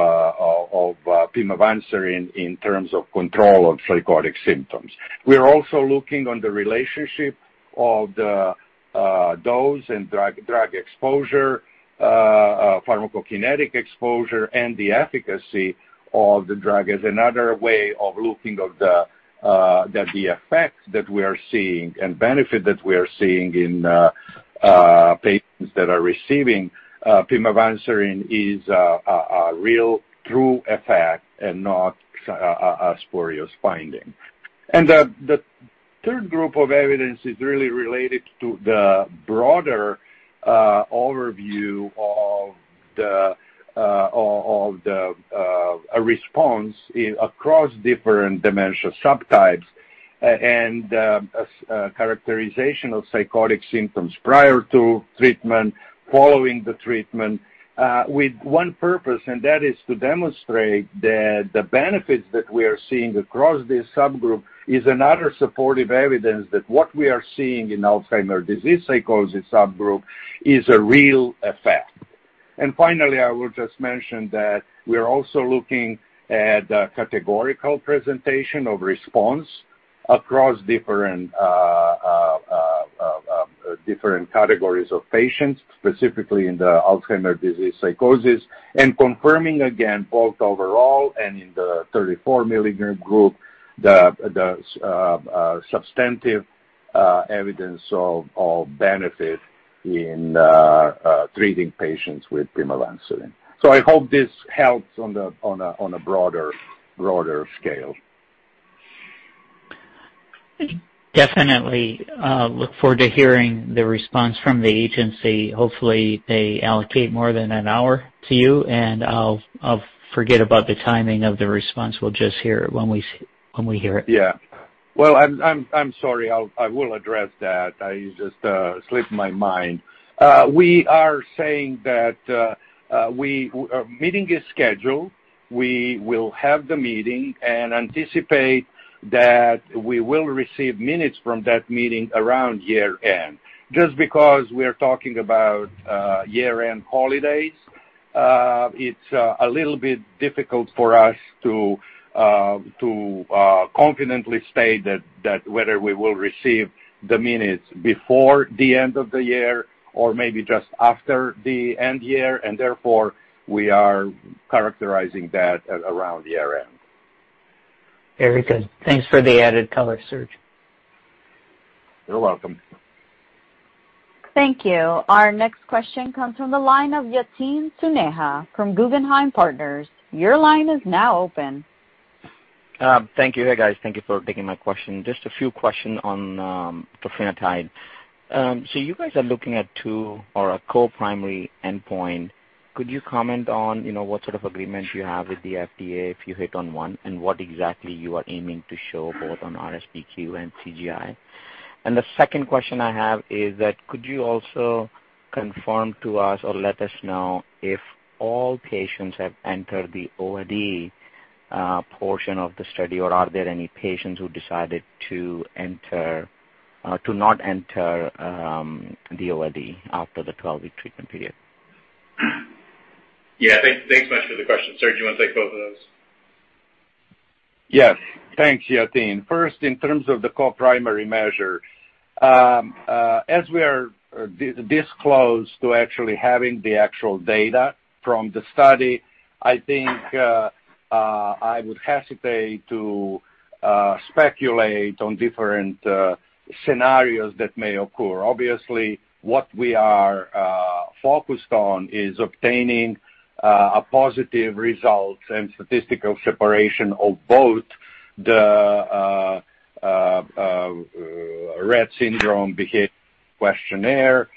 pimavanserin in terms of control of psychotic symptoms. We are also looking at the relationship of the dose and drug exposure, pharmacokinetic exposure and the efficacy of the drug as another way of looking at the effect that we are seeing and benefit that we are seeing in patients that are receiving pimavanserin is a real true effect and not a spurious finding. The third group of evidence is really related to the broader overview of the response across different dementia subtypes and characterization of psychotic symptoms prior to treatment, following the treatment with one purpose and that is to demonstrate the benefits that we are seeing across this subgroup is another supportive evidence that what we are seeing in Alzheimer's disease psychosis subgroup is a real effect. Finally, I will just mention that we are also looking at the categorical presentation of response across different categories of patients, specifically in the Alzheimer's disease psychosis and confirming again both overall and in the 34 mg group, the substantive evidence of benefit in treating patients with pimavanserin. I hope this helps on a broader scale.
Definitely, look forward to hearing the response from the agency. Hopefully, they allocate more than an hour to you, and I'll forget about the timing of the response. We'll just hear it when we hear it.
Well, I'm sorry. I will address that. I just slipped my mind. We are saying that a meeting is scheduled. We will have the meeting and anticipate that we will receive minutes from that meeting around year-end. Just because we are talking about year-end holidays, it's a little bit difficult for us to confidently state that whether we will receive the minutes before the end of the year or maybe just after the end of the year and therefore we are characterizing that at around year-end.
Very good. Thanks for the added color, Serge.
You're welcome.
Thank you. Our next question comes from the line of Yatin Suneja from Guggenheim Partners. Your line is now open.
Thank you. Hey, guys. Thank you for taking my question. Just a few questions on trofinetide. So you guys are looking at two or a co-primary endpoint. Could you comment on, you know, what sort of agreement you have with the FDA if you hit on one and what exactly you are aiming to show both on RSBQ and CGI? And the second question I have is that could you also confirm to us or let us know if all patients have entered the OLE portion of the study, or are there any patients who decided not to enter the OLE after the 12-week treatment period?
Yeah. Thanks much for the question. Serge, do you wanna take both of those?
Yes. Thanks, Yatin. First, in terms of the co-primary measure, as we are this close to actually having the actual data from the study, I think I would hesitate to speculate on different scenarios that may occur. Obviously, what we are focused on is obtaining a positive result and statistical separation of both the Rett Syndrome Behavior Questionnaire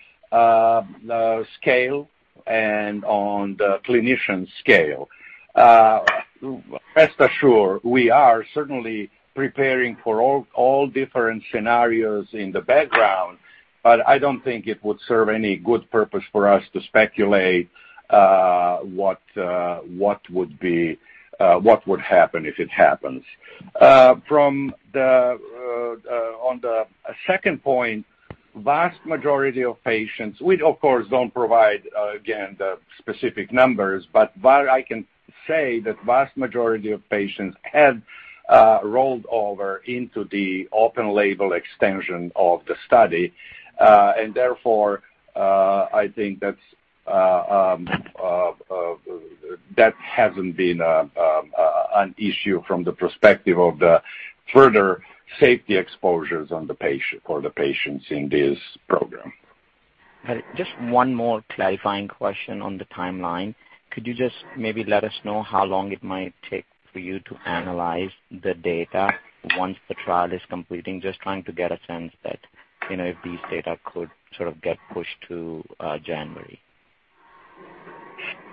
scale and on the clinician scale. Rest assured, we are certainly preparing for all different scenarios in the background, but I don't think it would serve any good purpose for us to speculate what would happen if it happens. On the second point, vast majority of patients, we of course don't provide again the specific numbers, but what I can say that vast majority of patients have rolled over into the open label extension of the study. Therefore, I think that hasn't been an issue from the perspective of the further safety exposures on the patient or the patients in this program.
Just one more clarifying question on the timeline. Could you just maybe let us know how long it might take for you to analyze the data once the trial is completing? Just trying to get a sense that, you know, if these data could sort of get pushed to, January.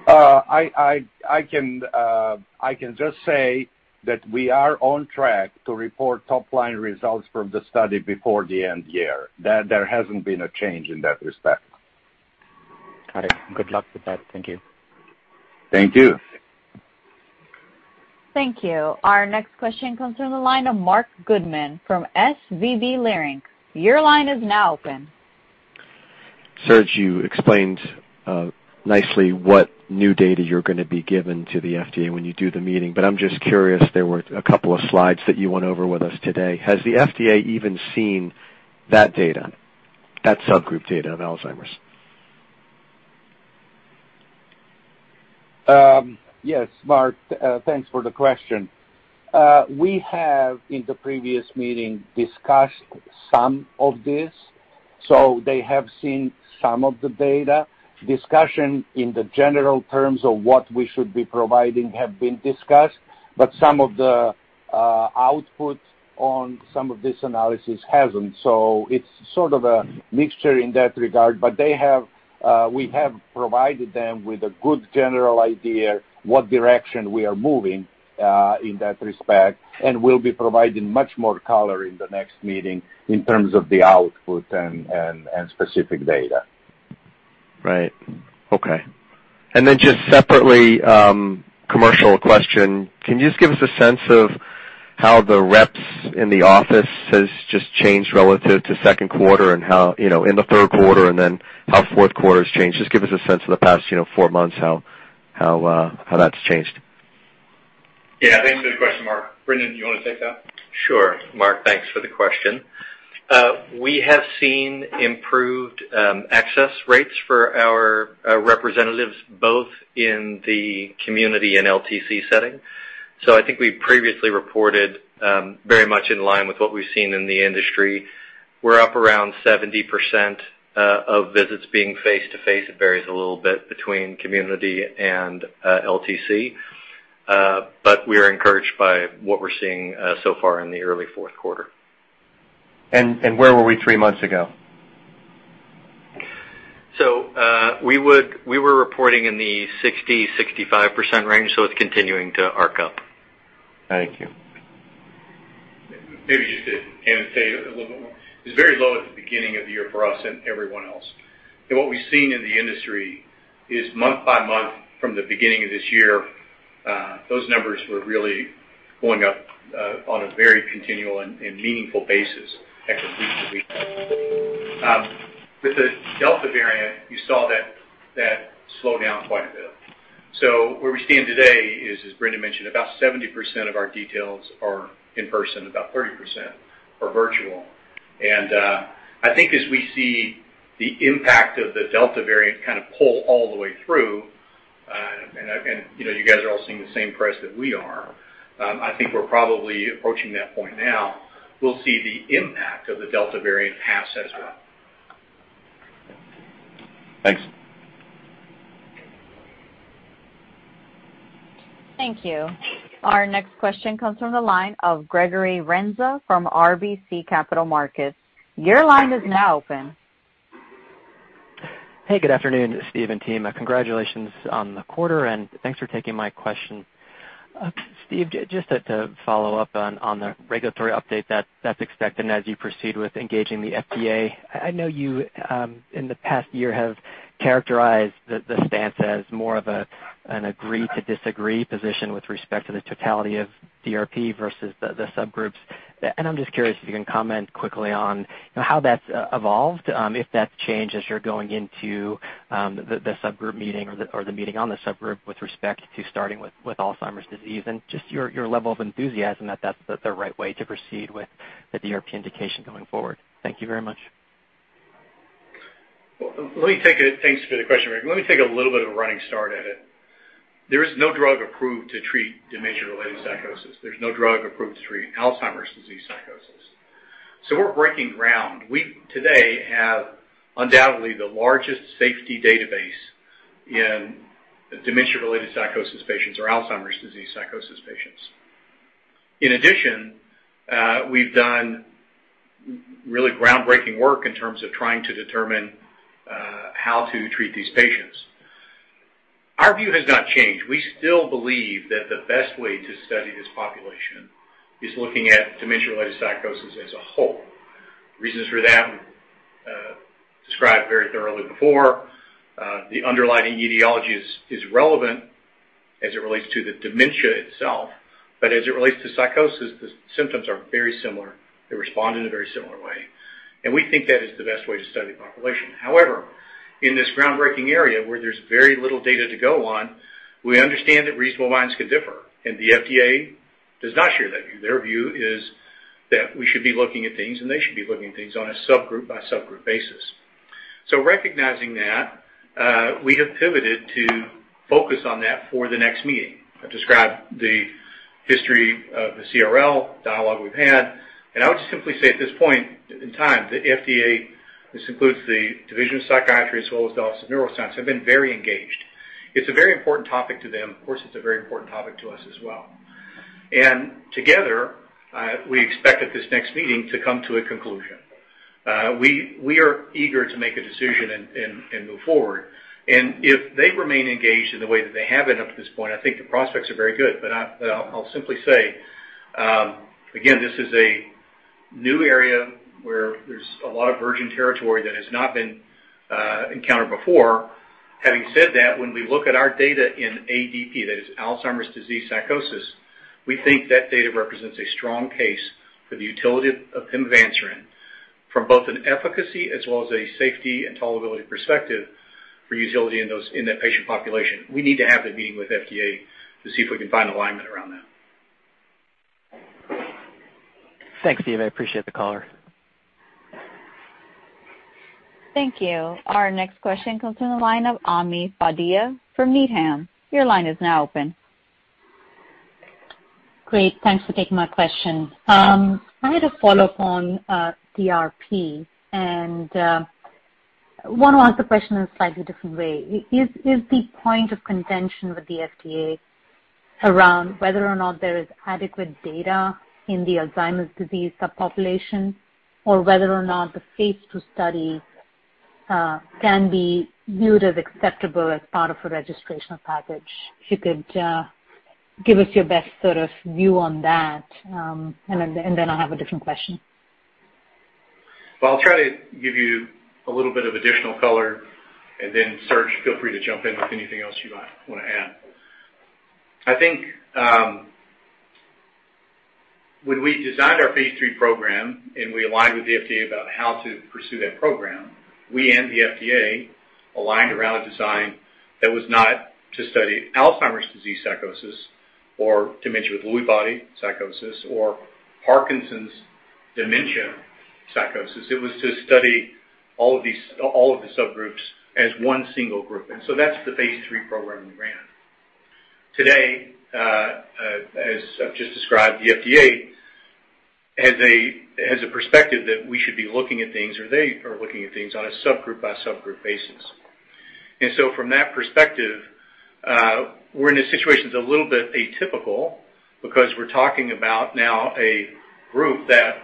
I can just say that we are on track to report top-line results from the study before the end year. That there hasn't been a change in that respect.
Got it. Good luck with that. Thank you.
Thank you.
Thank you. Our next question comes from the line of Marc Goodman from SVB Leerink. Your line is now open.
Serge, you explained nicely what new data you're gonna be giving to the FDA when you do the meeting, but I'm just curious, there were a couple of slides that you went over with us today. Has the FDA even seen that data, that subgroup data on Alzheimer's?
Yes, Mark. Thanks for the question. We have, in the previous meeting, discussed some of this, so they have seen some of the data. Discussion in the general terms of what we should be providing have been discussed, but some of the output on some of this analysis hasn't. It's sort of a mixture in that regard, but we have provided them with a good general idea what direction we are moving in that respect, and we'll be providing much more color in the next meeting in terms of the output and specific data.
Right. Okay. Just separately, commercial question. Can you just give us a sense of how the reps in the office has just changed relative to second quarter and how, you know, in the third quarter and then how fourth quarter's changed? Just give us a sense of the past, you know, four months how that's changed.
Yeah, thanks for the question, Mark. Brendan, do you wanna take that?
Sure. Mark, thanks for the question. We have seen improved access rates for our representatives, both in the community and LTC setting. I think we previously reported very much in line with what we've seen in the industry. We're up around 70% of visits being face to face. It varies a little bit between community and LTC. We are encouraged by what we're seeing so far in the early fourth quarter.
Where were we three months ago?
We were reporting in the 60%-65% range, it's continuing to arc up.
Thank you.
Maybe just to add and say a little bit more. It's very low at the beginning of the year for us and everyone else. What we've seen in the industry is month by month from the beginning of this year, those numbers were really going up on a very continual and meaningful basis. With the Delta variant, you saw that slow down quite a bit. Where we stand today is, as Brendan mentioned, about 70% of our details are in person, about 30% are virtual. I think as we see the impact of the Delta variant kind of pull all the way through, and you know, you guys are all seeing the same press that we are, I think we're probably approaching that point now. We'll see the impact of the Delta variant pass as well.
Thanks.
Thank you. Our next question comes from the line of Gregory Renza from RBC Capital Markets. Your line is now open.
Hey, good afternoon, Steve and team. Congratulations on the quarter, and thanks for taking my question. Steve, just to follow up on the regulatory update that's expected as you proceed with engaging the FDA. I know you in the past year have characterized the stance as more of an agree to disagree position with respect to the totality of DRP versus the subgroups. I'm just curious if you can comment quickly on, you know, how that's evolved, if that's changed as you're going into the subgroup meeting or the meeting on the subgroup with respect to starting with Alzheimer's disease and just your level of enthusiasm that that's the right way to proceed with the DRP indication going forward. Thank you very much.
Well, let me take it. Thanks for the question, Greg. Let me take a little bit of a running start at it. There is no drug approved to treat dementia-related psychosis. There's no drug approved to treat Alzheimer's disease psychosis. We're breaking ground. We today have undoubtedly the largest safety database in dementia-related psychosis patients or Alzheimer's disease psychosis patients. In addition, we've done really groundbreaking work in terms of trying to determine how to treat these patients. Our view has not changed. We still believe that the best way to study this population is looking at dementia-related psychosis as a whole. Reasons for that described very thoroughly before. The underlying etiology is relevant as it relates to the dementia itself. As it relates to psychosis, the symptoms are very similar. They respond in a very similar way. We think that is the best way to study the population. However, in this groundbreaking area where there's very little data to go on, we understand that reasonable minds could differ, and the FDA does not share that view. Their view is that we should be looking at things, and they should be looking at things on a subgroup by subgroup basis. Recognizing that, we have pivoted to focus on that for the next meeting. I've described the history of the CRL dialogue we've had, and I would just simply say at this point in time, the FDA, this includes the Division of Psychiatry as well as the Office of Neuroscience, have been very engaged. It's a very important topic to them. Of course, it's a very important topic to us as well. Together, we expect at this next meeting to come to a conclusion. We are eager to make a decision and move forward. If they remain engaged in the way that they have been up to this point, I think the prospects are very good. I'll simply say, again, this is a new area where there's a lot of virgin territory that has not been encountered before. Having said that, when we look at our data in ADP, that is Alzheimer's disease psychosis, we think that data represents a strong case for the utility of pimavanserin from both an efficacy as well as a safety and tolerability perspective for utility in that patient population. We need to have that meeting with FDA to see if we can find alignment around that.
Thanks, Steve. I appreciate the color.
Thank you. Our next question comes from the line of Ami Fadia from Needham. Your line is now open.
Great. Thanks for taking my question. I had a follow-up on DRP and want to ask the question in a slightly different way. Is the point of contention with the FDA around whether or not there is adequate data in the Alzheimer's disease subpopulation or whether or not the phase II study can be viewed as acceptable as part of a registrational package? If you could give us your best sort of view on that, and then I have a different question.
Well, I'll try to give you a little bit of additional color and then, Serge, feel free to jump in with anything else you might wanna add. I think. When we designed our phase III program and we aligned with the FDA about how to pursue that program, we and the FDA aligned around a design that was not to study Alzheimer's disease psychosis or dementia with Lewy Body psychosis or Parkinson's dementia psychosis. It was to study all of these, all of the subgroups as one single group. That's the phase III program we ran. Today, as I've just described, the FDA has a perspective that we should be looking at things, or they are looking at things on a subgroup by subgroup basis. From that perspective, we're in a situation that's a little bit atypical because we're talking about now a group where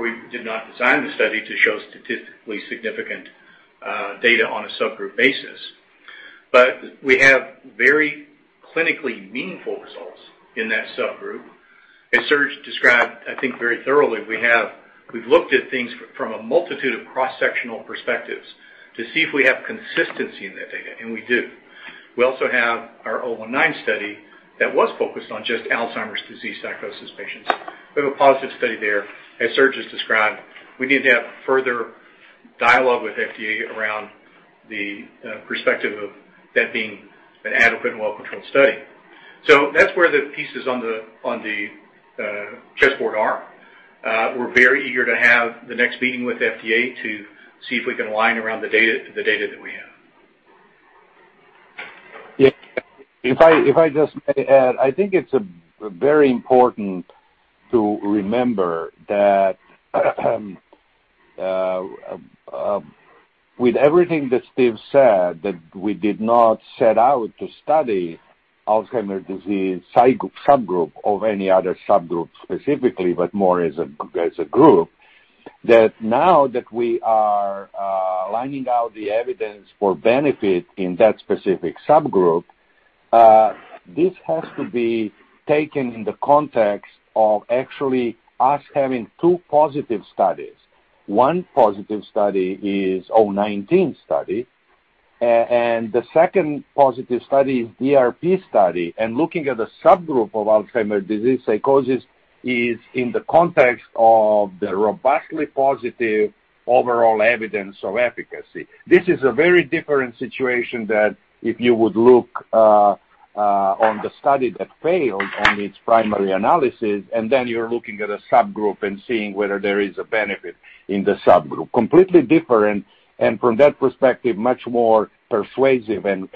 we did not design the study to show statistically significant data on a subgroup basis. We have very clinically meaningful results in that subgroup. As Serge described, I think very thoroughly, we've looked at things from a multitude of cross-sectional perspectives to see if we have consistency in that data, and we do. We also have our -019 study that was focused on just Alzheimer's disease psychosis patients. We have a positive study there. As Serge has described, we need to have further dialogue with FDA around the perspective of that being an adequate and well-controlled study. That's where the pieces on the chessboard are. We're very eager to have the next meeting with FDA to see if we can align around the data that we have.
Yeah. If I just may add, I think it's very important to remember that with everything that Steve said, that we did not set out to study Alzheimer's disease psychosis subgroup or any other subgroup specifically, but more as a group. That now that we are lining out the evidence for benefit in that specific subgroup, this has to be taken in the context of actually us having two positive studies. One positive study is -019 study. And the second positive study is DRP study. Looking at a subgroup of Alzheimer's disease psychosis is in the context of the robustly positive overall evidence of efficacy. This is a very different situation than if you would look at the study that failed on its primary analysis, and then you're looking at a subgroup and seeing whether there is a benefit in the subgroup. Completely different, and from that perspective, much more persuasive and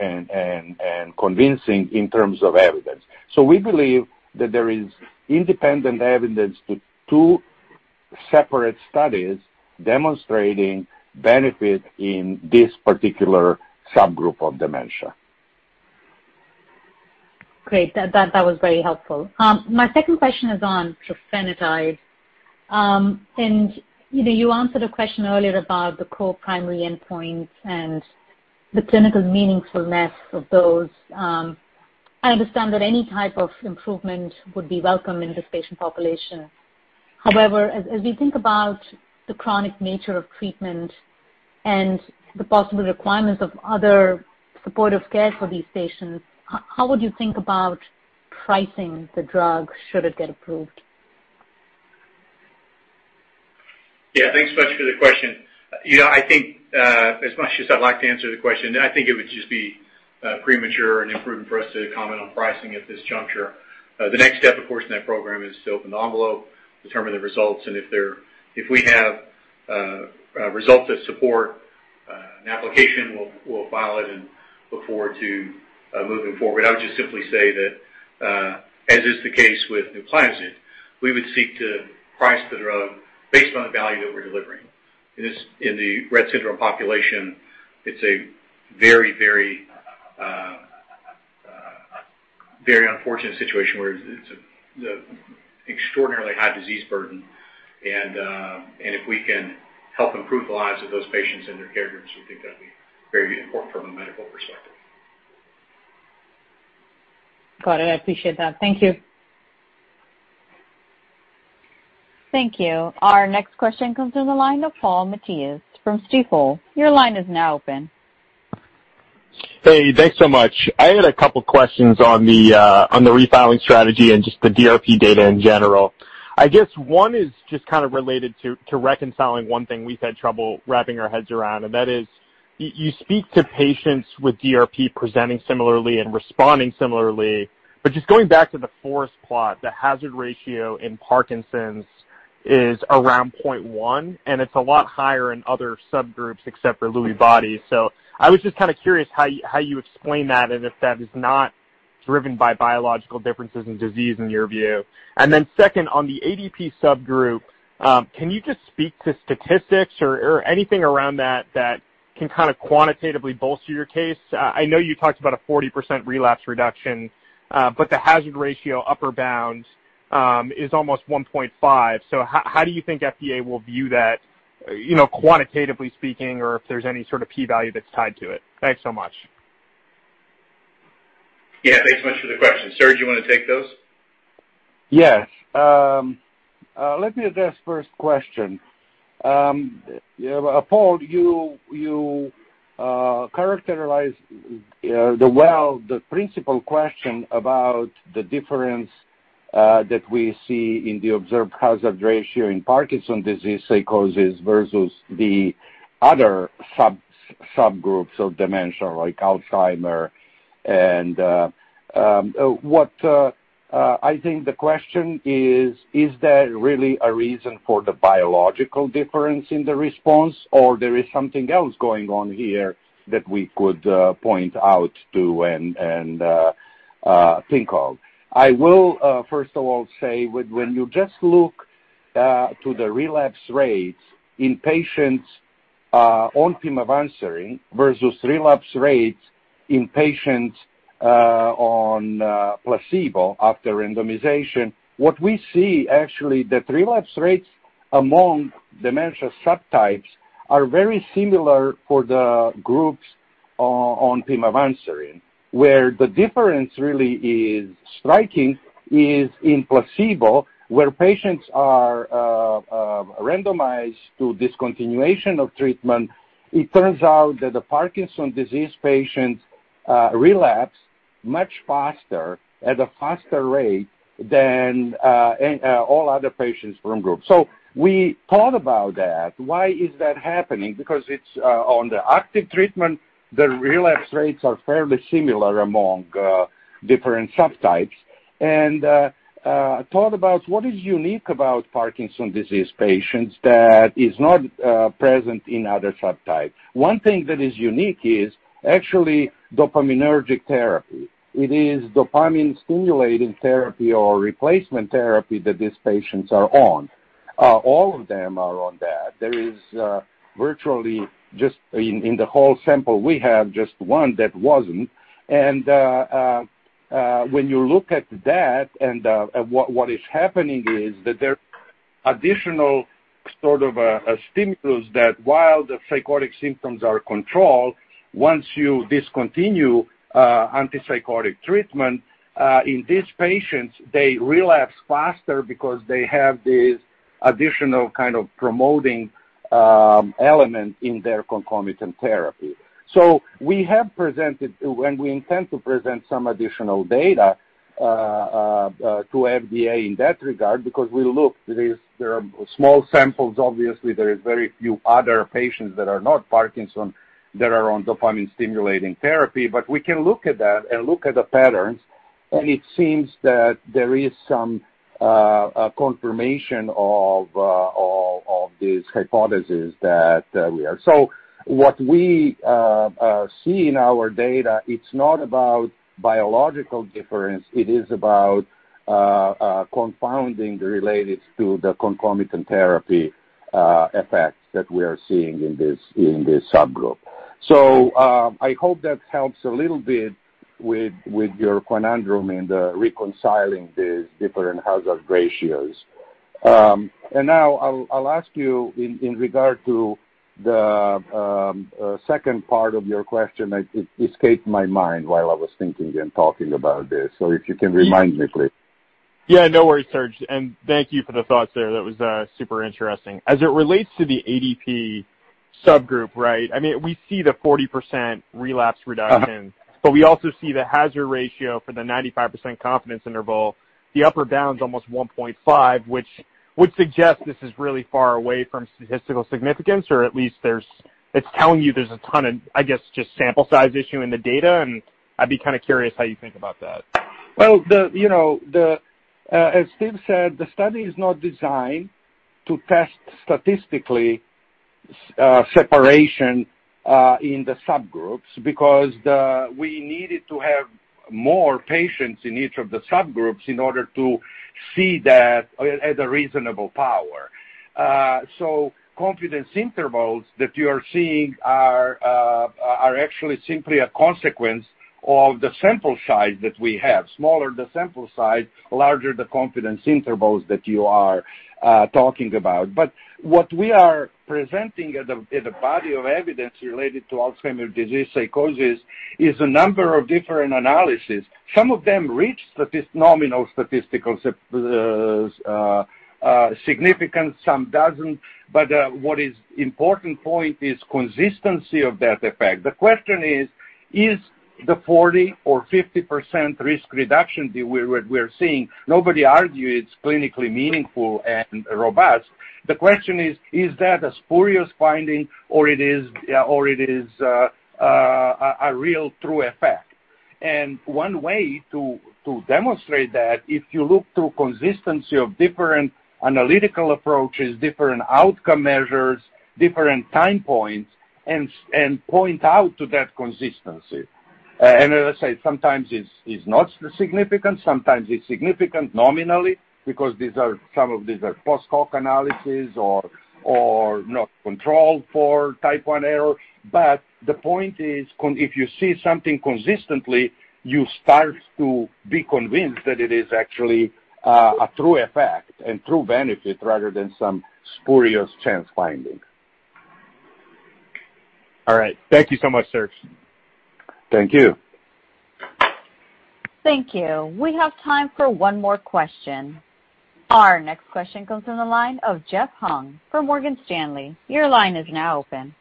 convincing in terms of evidence. We believe that there is independent evidence from two separate studies demonstrating benefit in this particular subgroup of dementia.
Great. That was very helpful. My second question is on trofinetide. You know, you answered a question earlier about the co-primary endpoints and the clinical meaningfulness of those. I understand that any type of improvement would be welcome in this patient population. However, as we think about the chronic nature of treatment and the possible requirements of other supportive care for these patients, how would you think about pricing the drug should it get approved?
Yeah. Thanks so much for the question. You know, I think, as much as I'd like to answer the question, I think it would just be premature and imprudent for us to comment on pricing at this juncture. The next step, of course, in that program is to open the envelope, determine the results, and if we have results that support an application, we'll file it and look forward to moving forward. I would just simply say that, as is the case with Nuplazid, we would seek to price the drug based on the value that we're delivering. In the Rett syndrome population, it's a very unfortunate situation where it's a the extraordinarily high disease burden. if we can help improve the lives of those patients and their caregivers, we think that'd be very important from a medical perspective.
Got it. I appreciate that. Thank you.
Thank you. Our next question comes from the line of Paul Matteis from Stifel. Your line is now open.
Hey. Thanks so much. I had a couple questions on the refiling strategy and just the DRP data in general. I guess one is just kind of related to reconciling one thing we've had trouble wrapping our heads around, and that is you speak to patients with DRP presenting similarly and responding similarly. Just going back to the forest plot, the hazard ratio in Parkinson's is around 0.1, and it's a lot higher in other subgroups except for Lewy body. I was just kinda curious how you explain that and if that is not driven by biological differences in disease in your view. Then second, on the ADP subgroup, can you just speak to statistics or anything around that that can kind of quantitatively bolster your case? I know you talked about a 40% relapse reduction, but the hazard ratio upper bound is almost 1.5. How do you think FDA will view that, you know, quantitatively speaking or if there's any sort of P value that's tied to it? Thanks so much.
Yeah. Thanks so much for the question. Serge, you wanna take those?
Yes. Let me address first question. Yeah, Paul, you characterize the principal question about the difference that we see in the observed hazard ratio in Parkinson's disease psychosis versus the other subgroups of dementia like Alzheimer's. What I think the question is: Is there really a reason for the biological difference in the response, or there is something else going on here that we could point out to and think of? I will first of all say, when you just look to the relapse rates in patients on pimavanserin versus relapse rates in patients on placebo after randomization, what we see actually, the relapse rates among dementia subtypes are very similar for the groups on pimavanserin. Where the difference really is striking is in placebo, where patients are randomized to discontinuation of treatment. It turns out that the Parkinson's disease patients relapse much faster at a faster rate than all other patients from group. We thought about that. Why is that happening? Because it's on the active treatment, the relapse rates are fairly similar among different subtypes, thought about what is unique about Parkinson's disease patients that is not present in other subtypes. One thing that is unique is actually dopaminergic therapy. It is dopamine-stimulating therapy or replacement therapy that these patients are on. All of them are on that. There is virtually just one in the whole sample. We have just one that wasn't. When you look at that and what is happening is that there are additional sort of stimulus that while the psychotic symptoms are controlled, once you discontinue antipsychotic treatment in these patients, they relapse faster because they have these additional kind of promoting element in their concomitant therapy. We have presented and we intend to present some additional data to FDA in that regard because we looked. There are small samples. Obviously, there is very few other patients that are not Parkinson's that are on dopamine-stimulating therapy. But we can look at that and look at the patterns, and it seems that there is some confirmation of this hypothesis that we are. What we see in our data, it's not about biological difference. It is about confounding related to the concomitant therapy effects that we are seeing in this subgroup. I hope that helps a little bit with your conundrum in the reconciling these different hazard ratios. Now I'll ask you in regard to the second part of your question. It escaped my mind while I was thinking and talking about this. If you can remind me, please.
Yeah, no worries, Serge, and thank you for the thoughts there. That was super interesting. As it relates to the ADP subgroup, right? I mean, we see the 40% relapse reduction-
Uh-huh.
we also see the hazard ratio for the 95% confidence interval. The upper bound is almost 1.5, which would suggest this is really far away from statistical significance or at least there's, it's telling you there's a ton of, I guess, just sample size issue in the data. I'd be kinda curious how you think about that.
As Steve said, you know, the study is not designed to test statistically separation in the subgroups because we needed to have more patients in each of the subgroups in order to see that at a reasonable power. Confidence intervals that you are seeing are actually simply a consequence of the sample size that we have. Smaller the sample size, larger the confidence intervals that you are talking about. What we are presenting at the body of evidence related to Alzheimer's disease psychosis is a number of different analysis. Some of them reach nominal statistical significance, some doesn't. What is important point is consistency of that effect. The question is: Is the 40% or 50% risk reduction that we're seeing nobody argue it's clinically meaningful and robust. The question is: Is that a spurious finding or a real true effect? One way to demonstrate that, if you look through consistency of different analytical approaches, different outcome measures, different time points and point out to that consistency. As I say, sometimes it's not significant. Sometimes it's significant nominally because some of these are post hoc analysis or not controlled for type one error. The point is if you see something consistently, you start to be convinced that it is actually a true effect and true benefit rather than some spurious chance finding.
All right. Thank you so much, Serge.
Thank you.
Thank you. We have time for one more question. Our next question comes on the line of Jeff Hung from Morgan Stanley. Your line is now open.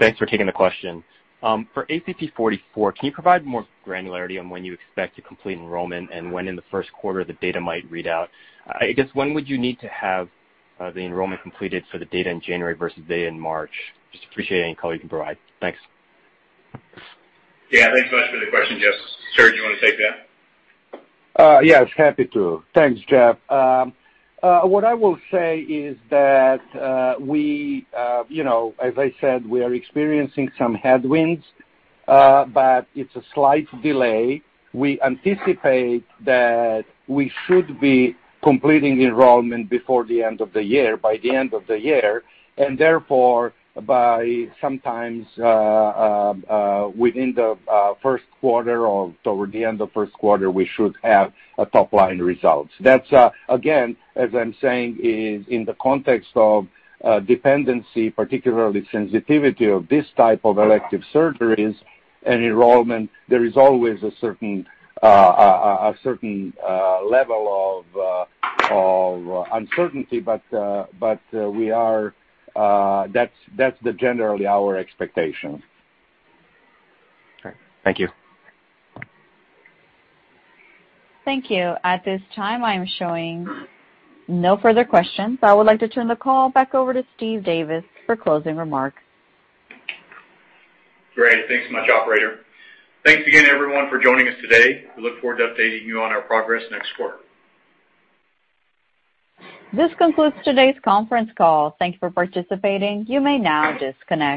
Thanks for taking the question. For ACP-044, can you provide more granularity on when you expect to complete enrollment and when in the first quarter the data might read out? I guess, when would you need to have the enrollment completed for the data in January versus data in March? Just appreciate any color you can provide. Thanks.
Yeah. Thanks so much for the question, Jeff. Serge, you wanna take that?
Yes, happy to. Thanks, Jeff. What I will say is that you know, as I said, we are experiencing some headwinds, but it's a slight delay. We anticipate that we should be completing the enrollment before the end of the year, and therefore by sometime within the first quarter or toward the end of first quarter, we should have a top-line result. That's again, as I'm saying, in the context of dependency, particularly sensitivity of this type of elective surgeries and enrollment, there is always a certain level of uncertainty, but we are. That's generally our expectation.
Okay. Thank you.
Thank you. At this time I'm showing no further questions. I would like to turn the call back over to Steve Davis for closing remarks.
Great. Thanks so much, operator. Thanks again everyone for joining us today. We look forward to updating you on our progress next quarter.
This concludes today's conference call. Thank you for participating. You may now disconnect.